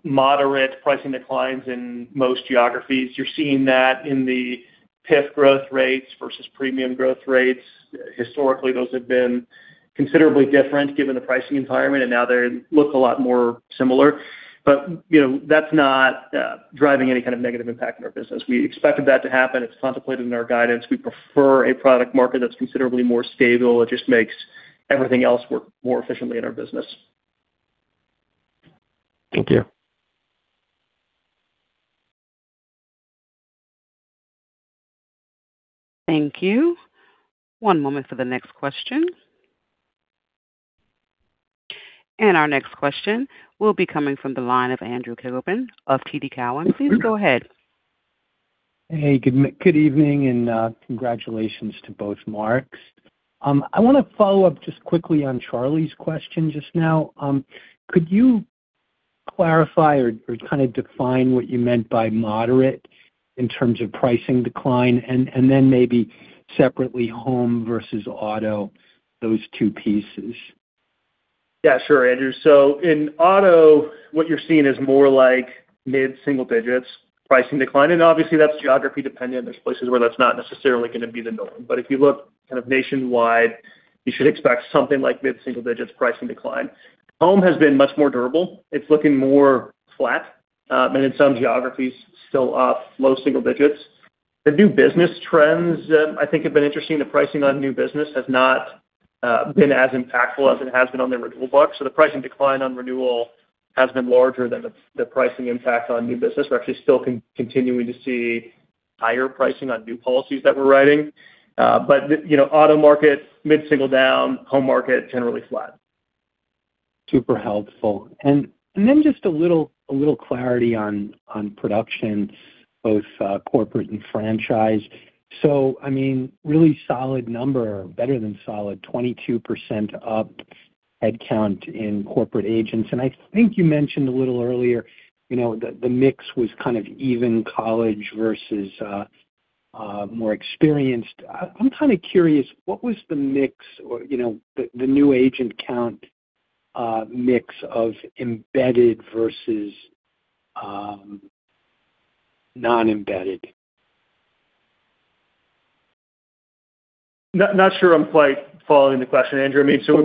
Speaker 4: moderate pricing declines in most geographies. You're seeing that in the PIF growth rates versus premium growth rates. Historically, those have been considerably different given the pricing environment, now they look a lot more similar. That's not driving any kind of negative impact on our business. We expected that to happen. It's contemplated in our guidance. We prefer a product market that's considerably more stable. It just makes everything else work more efficiently in our business.
Speaker 11: Thank you.
Speaker 1: Thank you. One moment for the next question. Our next question will be coming from the line of Andrew Kligerman of TD Cowen. Please go ahead.
Speaker 12: Hey, good evening, and congratulations to both Marks. I want to follow up just quickly on Charlie's question just now. Could you clarify or kind of define what you meant by moderate in terms of pricing decline and then maybe separately home versus auto, those two pieces?
Speaker 4: Yeah, sure, Andrew. In auto, what you're seeing is more like mid-single digits pricing decline, and obviously that's geography dependent. There's places where that's not necessarily going to be the norm. If you look kind of nationwide, you should expect something like mid-single digits pricing decline. Home has been much more durable. It's looking more flat, and in some geographies still up low single digits. The new business trends, I think, have been interesting. The pricing on new business has not been as impactful as it has been on the renewal book. The pricing decline on renewal has been larger than the pricing impact on new business. We're actually still continuing to see higher pricing on new policies that we're writing. Auto market, mid-single down, home market, generally flat.
Speaker 12: Super helpful. Just a little clarity on production, both corporate and franchise. Really solid number, better than solid, 22% up head count in corporate agents. I think you mentioned a little earlier, the mix was kind of even college versus more experienced. I'm kind of curious, what was the mix, or the new agent count mix of embedded versus non-embedded?
Speaker 4: Not sure I'm quite following the question, Andrew.
Speaker 12: In other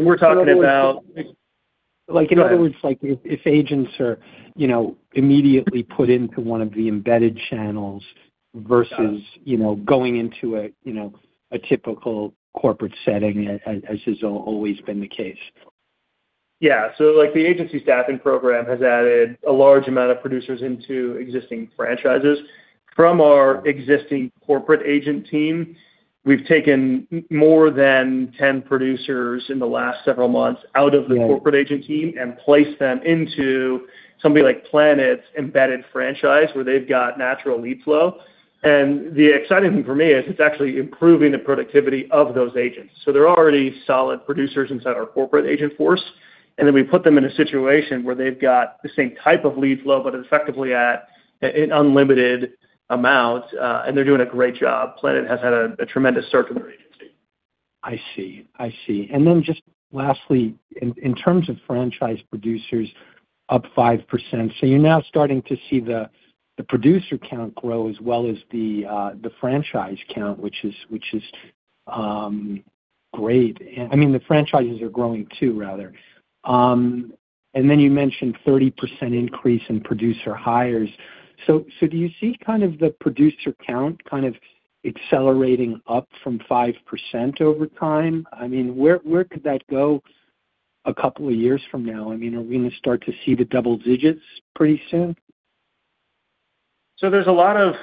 Speaker 12: words, if agents are immediately put into one of the embedded channels versus going into a typical corporate setting, as has always been the case.
Speaker 4: Yeah. The agency staffing program has added a large amount of producers into existing franchises. From our existing corporate agent team, we've taken more than 10 producers in the last several months out of the corporate agent team and placed them into somebody like Planet's embedded franchise, where they've got natural lead flow. The exciting thing for me is it's actually improving the productivity of those agents. They're already solid producers inside our corporate agent force, and then we put them in a situation where they've got the same type of lead flow, but effectively at an unlimited amount, and they're doing a great job. Planet has had a tremendous circuit agency.
Speaker 12: I see. Just lastly, in terms of franchise producers up 5%. You're now starting to see the producer count grow as well as the franchise count, which is great. The franchises are growing too, rather. You mentioned 30% increase in producer hires. Do you see the producer count kind of accelerating up from 5% over time? Where could that go a couple of years from now? Are we going to start to see the double digits pretty soon?
Speaker 4: There's a lot of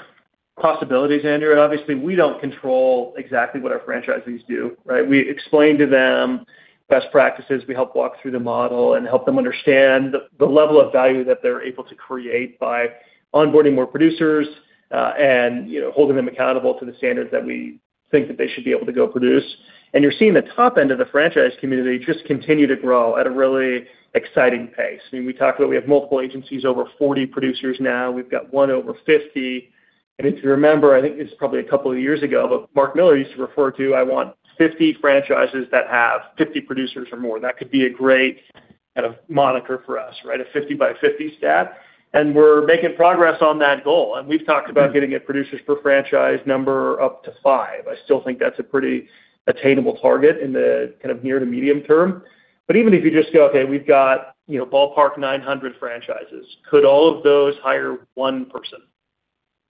Speaker 4: possibilities, Andrew. Obviously, we don't control exactly what our franchisees do, right? We explain to them best practices. We help walk through the model and help them understand the level of value that they're able to create by onboarding more producers, and holding them accountable to the standards that we think that they should be able to go produce. You're seeing the top end of the franchise community just continue to grow at a really exciting pace. We talked about we have multiple agencies, over 40 producers now. We've got one over 50. If you remember, I think this is probably a couple of years ago, but Mark Miller used to refer to, I want 50 franchises that have 50 producers or more. That could be a great kind of moniker for us, right? A 50 by 50 stat. We're making progress on that goal. We've talked about getting a producers per franchise number up to five. I still think that's a pretty attainable target in the kind of near to medium term. Even if you just go, okay, we've got ballpark 900 franchises. Could all of those hire one person?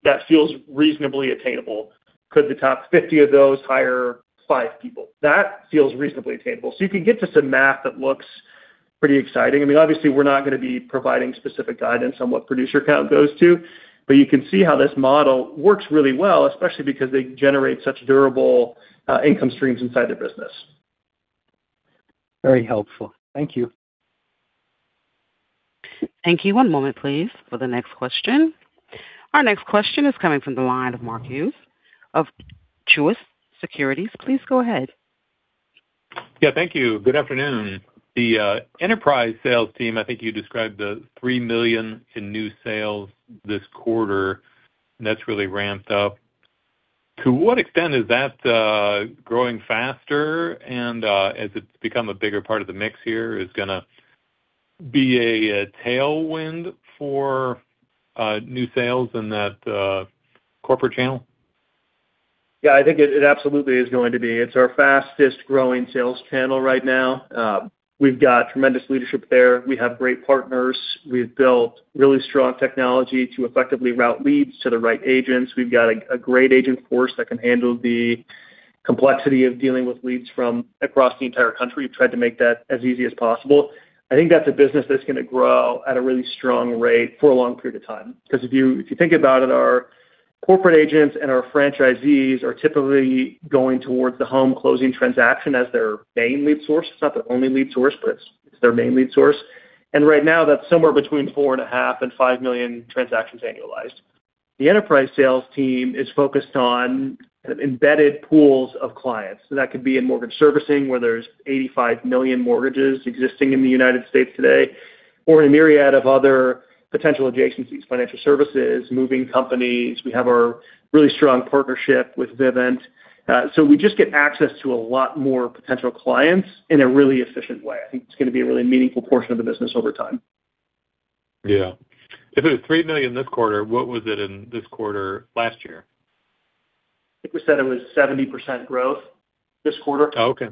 Speaker 4: That feels reasonably attainable. Could the top 50 of those hire five people? That feels reasonably attainable. You can get to some math that looks pretty exciting. Obviously, we're not going to be providing specific guidance on what producer count goes to, but you can see how this model works really well, especially because they generate such durable income streams inside their business.
Speaker 12: Very helpful. Thank you.
Speaker 1: Thank you. One moment please for the next question. Our next question is coming from the line of Mark Hughes of Truist Securities. Please go ahead.
Speaker 13: Yeah, thank you. Good afternoon. The enterprise sales team, I think you described the $3 million in new sales this quarter, and that's really ramped up. To what extent is that growing faster, and as it's become a bigger part of the mix here, is going to be a tailwind for new sales in that corporate channel?
Speaker 4: Yeah, I think it absolutely is going to be. It's our fastest growing sales channel right now. We've got tremendous leadership there. We have great partners. We've built really strong technology to effectively route leads to the right agents. We've got a great agent force that can handle the complexity of dealing with leads from across the entire country. We've tried to make that as easy as possible. I think that's a business that's going to grow at a really strong rate for a long period of time. Because if you think about it, our corporate agents and our franchisees are typically going towards the home closing transaction as their main lead source. It's not their only lead source, but it's their main lead source. And right now that's somewhere between 4.5-5 million transactions annualized. The enterprise sales team is focused on embedded pools of clients. That could be in mortgage servicing, where there's 85 million mortgages existing in the U.S. today, or in a myriad of other potential adjacencies, financial services, moving companies. We have our really strong partnership with Vivint. We just get access to a lot more potential clients in a really efficient way. I think it's going to be a really meaningful portion of the business over time.
Speaker 13: Yeah. If it was three million this quarter, what was it in this quarter last year?
Speaker 4: I think we said it was 70% growth this quarter.
Speaker 13: Okay.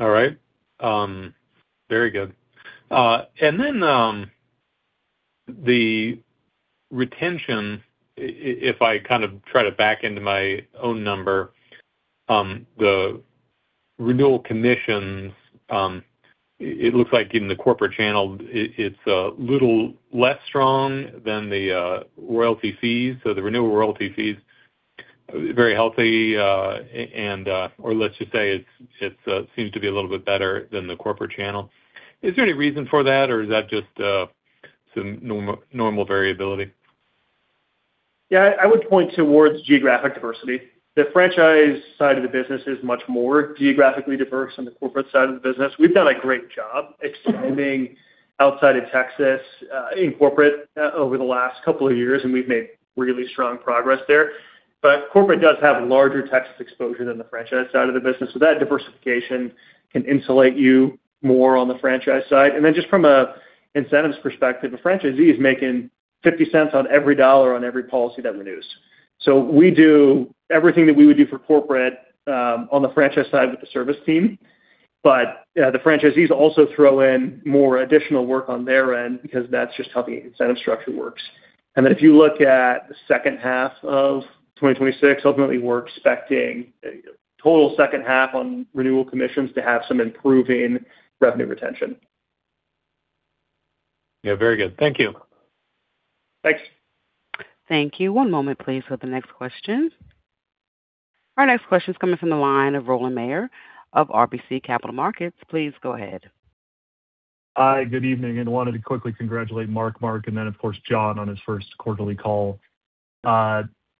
Speaker 13: All right. Very good. The retention, if I try to back into my own number, the renewal commissions, it looks like in the corporate channel, it's a little less strong than the royalty fees. The renewal royalty fee is very healthy, or let's just say it seems to be a little bit better than the corporate channel. Is there any reason for that, or is that just some normal variability?
Speaker 4: Yeah, I would point towards geographic diversity. The franchise side of the business is much more geographically diverse than the corporate side of the business. We've done a great job expanding outside of Texas in corporate over the last couple of years, and we've made really strong progress there. Corporate does have larger Texas exposure than the franchise side of the business, so that diversification can insulate you more on the franchise side. Just from an incentives perspective, a franchisee is making $0.50 on every dollar on every policy that renews. We do everything that we would do for corporate on the franchise side with the service team. The franchisees also throw in more additional work on their end because that's just how the incentive structure works. If you look at the second half of 2026, ultimately, we're expecting total second half on renewal commissions to have some improving revenue retention.
Speaker 13: Yeah, very good. Thank you.
Speaker 4: Thanks.
Speaker 1: Thank you. One moment please for the next question. Our next question is coming from the line of Rowland Mayor of RBC Capital Markets. Please go ahead.
Speaker 14: Hi, good evening. Wanted to quickly congratulate Mark, Mark, and then of course, John on his first quarterly call.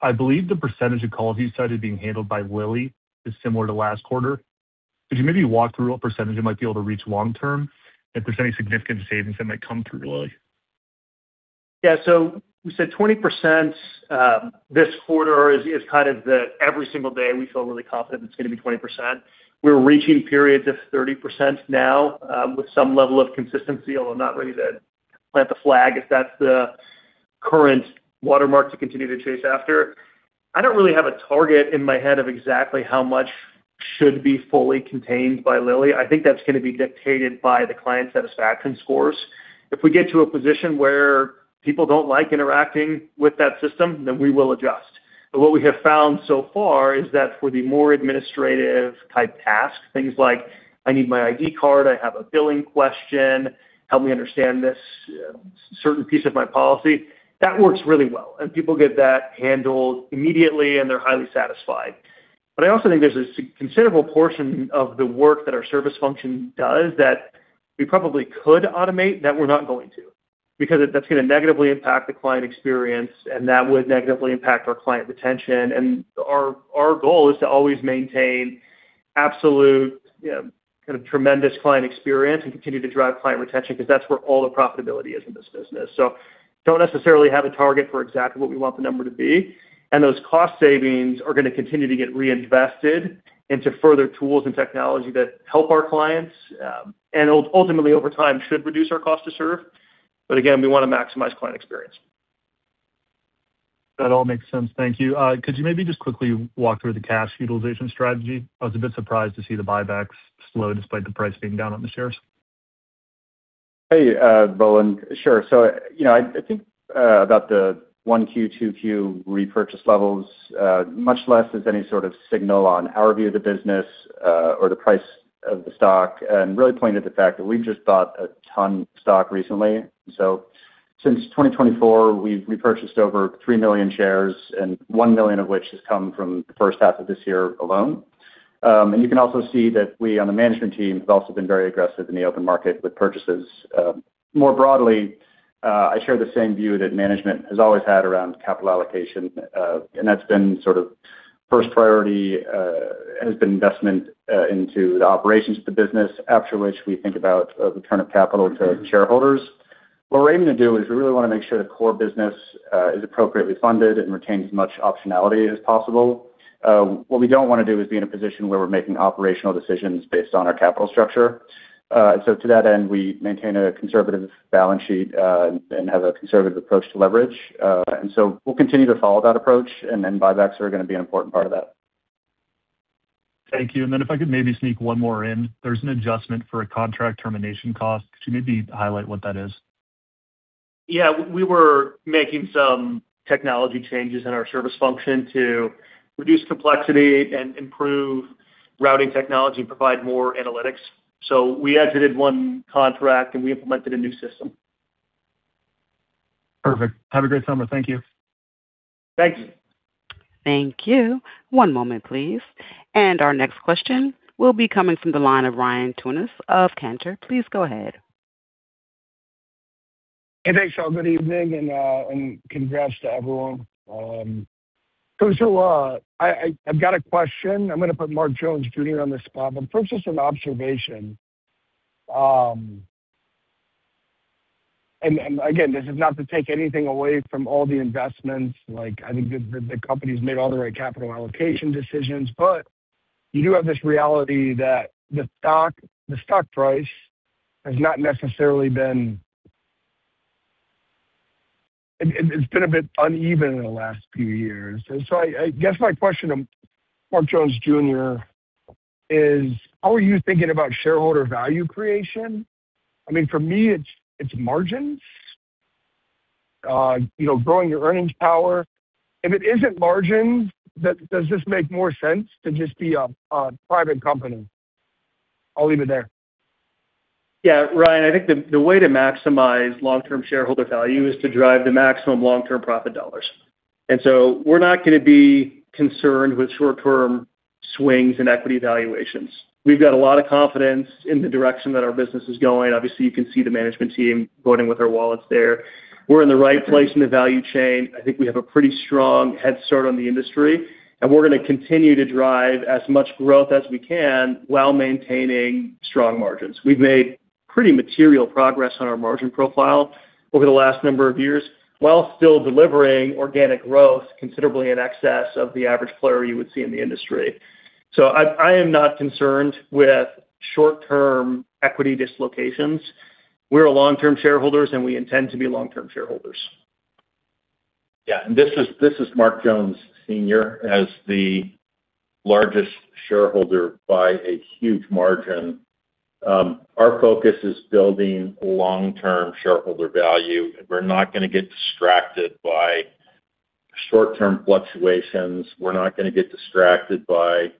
Speaker 14: I believe the percentage of calls you said are being handled by Lily is similar to last quarter. Could you maybe walk through what percentage it might be able to reach long term, if there's any significant savings that might come through Lily?
Speaker 4: We said 20% this quarter is the every single day we feel really confident it's going to be 20%. We're reaching periods of 30% now, with some level of consistency, although I'm not ready to plant the flag if that's the current watermark to continue to chase after. I don't really have a target in my head of exactly how much should be fully contained by Lily. I think that's going to be dictated by the client satisfaction scores. If we get to a position where people don't like interacting with that system, then we will adjust. What we have found so far is that for the more administrative type tasks, things like, I need my ID card, I have a billing question, help me understand this certain piece of my policy. That works really well, and people get that handled immediately, and they're highly satisfied. I also think there's a considerable portion of the work that our service function does that we probably could automate that we're not going to, because that's going to negatively impact the client experience, and that would negatively impact our client retention. Our goal is to always maintain absolute tremendous client experience and continue to drive client retention because that's where all the profitability is in this business. Don't necessarily have a target for exactly what we want the number to be. Those cost savings are going to continue to get reinvested into further tools and technology that help our clients, and ultimately, over time, should reduce our cost to serve. Again, we want to maximize client experience.
Speaker 14: That all makes sense. Thank you. Could you maybe just quickly walk through the cash utilization strategy? I was a bit surprised to see the buybacks slow despite the price being down on the shares.
Speaker 5: Hey, Rowland. Sure. I think about the 1Q, 2Q repurchase levels, much less as any sort of signal on our view of the business or the price of the stock, and really point at the fact that we've just bought a ton of stock recently. Since 2024, we've repurchased over three million shares and one million of which has come from the first half of this year alone. You can also see that we, on the management team, have also been very aggressive in the open market with purchases. More broadly, I share the same view that management has always had around capital allocation, and that's been sort of first priority has been investment into the operations of the business, after which we think about return of capital to shareholders. What we're aiming to do is we really want to make sure the core business is appropriately funded and retains as much optionality as possible. What we don't want to do is be in a position where we're making operational decisions based on our capital structure. To that end, we maintain a conservative balance sheet, and have a conservative approach to leverage. We'll continue to follow that approach, and then buybacks are going to be an important part of that.
Speaker 14: Thank you. If I could maybe sneak one more in. There's an adjustment for a contract termination cost. Could you maybe highlight what that is?
Speaker 4: Yeah. We were making some technology changes in our service function to reduce complexity and improve routing technology, provide more analytics. We exited one contract, and we implemented a new system.
Speaker 14: Perfect. Have a great summer. Thank you.
Speaker 4: Thanks.
Speaker 1: Thank you. One moment, please. Our next question will be coming from the line of Ryan Tunis of Cantor. Please go ahead.
Speaker 15: Hey, thanks all. Good evening and congrats to everyone. I've got a question. I'm going to put Mark Jones, Jr. on the spot, but first just an observation. Again, this is not to take anything away from all the investments. I think the company's made all the right capital allocation decisions, but you do have this reality that the stock price has not necessarily been. It's been a bit uneven in the last few years. I guess my question to Mark Jones, Jr. is, how are you thinking about shareholder value creation? For me, it's margins, growing your earnings power. If it isn't margins, does this make more sense to just be a private company? I'll leave it there.
Speaker 4: Ryan, I think the way to maximize long-term shareholder value is to drive the maximum long-term profit dollars. We're not going to be concerned with short-term swings in equity valuations. We've got a lot of confidence in the direction that our business is going. Obviously, you can see the management team voting with our wallets there. We're in the right place in the value chain. I think we have a pretty strong head start on the industry, and we're going to continue to drive as much growth as we can while maintaining strong margins. We've made pretty material progress on our margin profile over the last number of years, while still delivering organic growth considerably in excess of the average player you would see in the industry. I am not concerned with short-term equity dislocations. We're long-term shareholders, and we intend to be long-term shareholders.
Speaker 9: This is Mark Jones, Sr. As the largest shareholder by a huge margin, our focus is building long-term shareholder value. We're not going to get distracted by short-term fluctuations. We're not going to get distracted by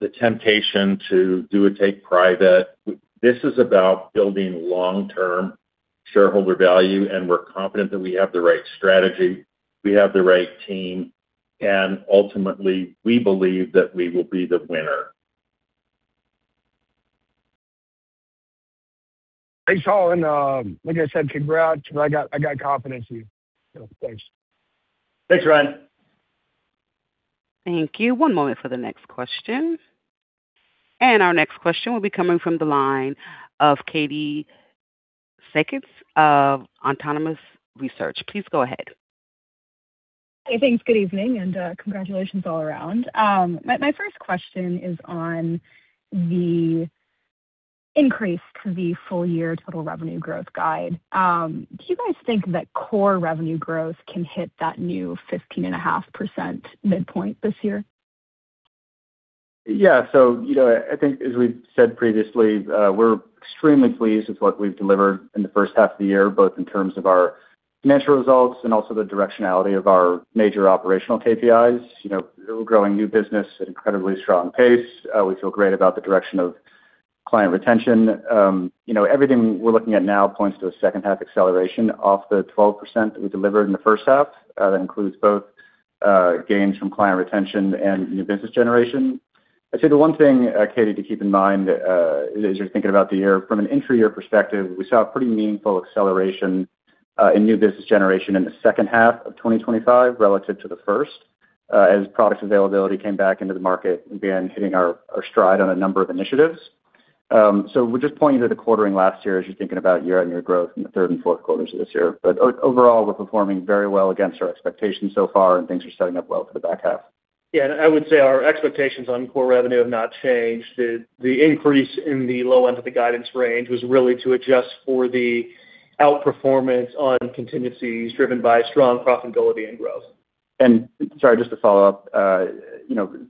Speaker 9: the temptation to do a take private. This is about building long-term shareholder value. We're confident that we have the right strategy, we have the right team, and ultimately, we believe that we will be the winner.
Speaker 15: Thanks, all. Like I said, congrats. I got confidence in you. Thanks.
Speaker 4: Thanks, Ryan.
Speaker 1: Thank you. One moment for the next question. Our next question will be coming from the line of Katie Sakys of Autonomous Research. Please go ahead.
Speaker 16: Hey, thanks. Good evening, and congratulations all around. My first question is on the increase to the full year total revenue growth guide. Do you guys think that core revenue growth can hit that new 15.5% midpoint this year?
Speaker 5: Yeah. I think as we've said previously, we're extremely pleased with what we've delivered in the first half of the year, both in terms of our financial results and also the directionality of our major operational KPIs. We're growing new business at an incredibly strong pace. We feel great about the direction of client retention. Everything we're looking at now points to a second half acceleration off the 12% that we delivered in the first half. That includes both gains from client retention and new business generation. I'd say the one thing, Katie, to keep in mind as you're thinking about the year from an intra-year perspective, we saw a pretty meaningful acceleration in new business generation in the second half of 2025 relative to the first, as products availability came back into the market and began hitting our stride on a number of initiatives. We're just pointing to the quartering last year as you're thinking about year-on-year growth in the third and fourth quarters of this year. Overall, we're performing very well against our expectations so far, and things are setting up well for the back half.
Speaker 4: Yeah. I would say our expectations on core revenue have not changed. The increase in the low end of the guidance range was really to adjust for the outperformance on contingencies driven by strong profitability and growth.
Speaker 5: Sorry, just to follow up.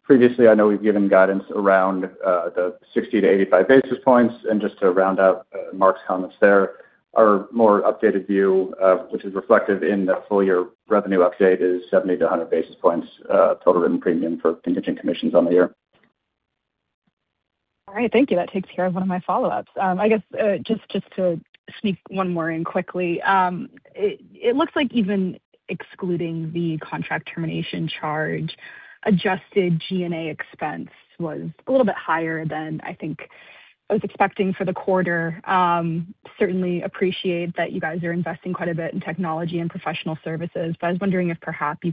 Speaker 5: Previously, I know we've given guidance around the 60-85 basis points, just to round out Mark's comments there, our more updated view, which is reflective in the full year revenue update, is 70-100 basis points total written premium for contingent commissions on the year.
Speaker 16: All right. Thank you. That takes care of one of my follow-ups. I guess just to sneak one more in quickly. It looks like even excluding the contract termination charge, adjusted G&A expense was a little bit higher than I think I was expecting for the quarter. Certainly appreciate that you guys are investing quite a bit in technology and professional services, I was wondering if perhaps you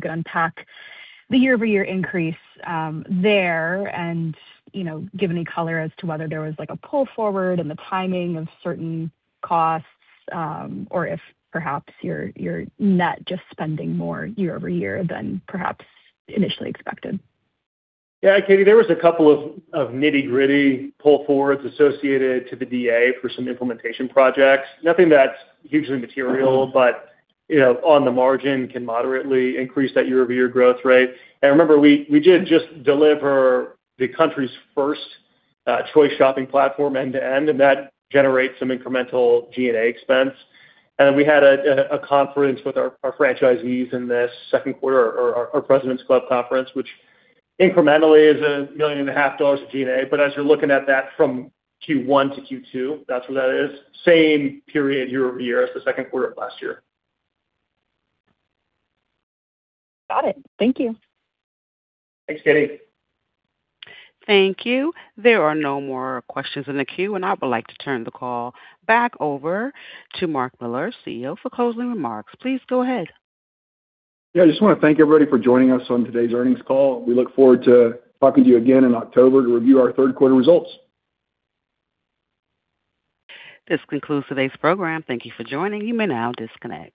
Speaker 16: could unpack the year-over-year increase there and give any color as to whether there was a pull forward in the timing of certain costs, or if perhaps you're net just spending more year-over-year than perhaps initially expected.
Speaker 4: Yeah. Katie, there was a couple of nitty-gritty pull forwards associated to the DA for some implementation projects. Nothing that's hugely material, but on the margin can moderately increase that year-over-year growth rate. Remember, we did just deliver the country's first choice shopping platform end to end, that generates some incremental G&A expense. We had a conference with our franchisees in the second quarter, our President's Club conference, which incrementally is a million and a half dollars of G&A. As you're looking at that from Q1-Q2, that's where that is. Same period year-over-year as the second quarter of last year.
Speaker 16: Got it. Thank you.
Speaker 4: Thanks, Katie.
Speaker 1: Thank you. There are no more questions in the queue. I would like to turn the call back over to Mark Miller, CEO, for closing remarks. Please go ahead.
Speaker 3: Yeah, I just want to thank everybody for joining us on today's earnings call. We look forward to talking to you again in October to review our third quarter results.
Speaker 1: This concludes today's program. Thank you for joining. You may now disconnect.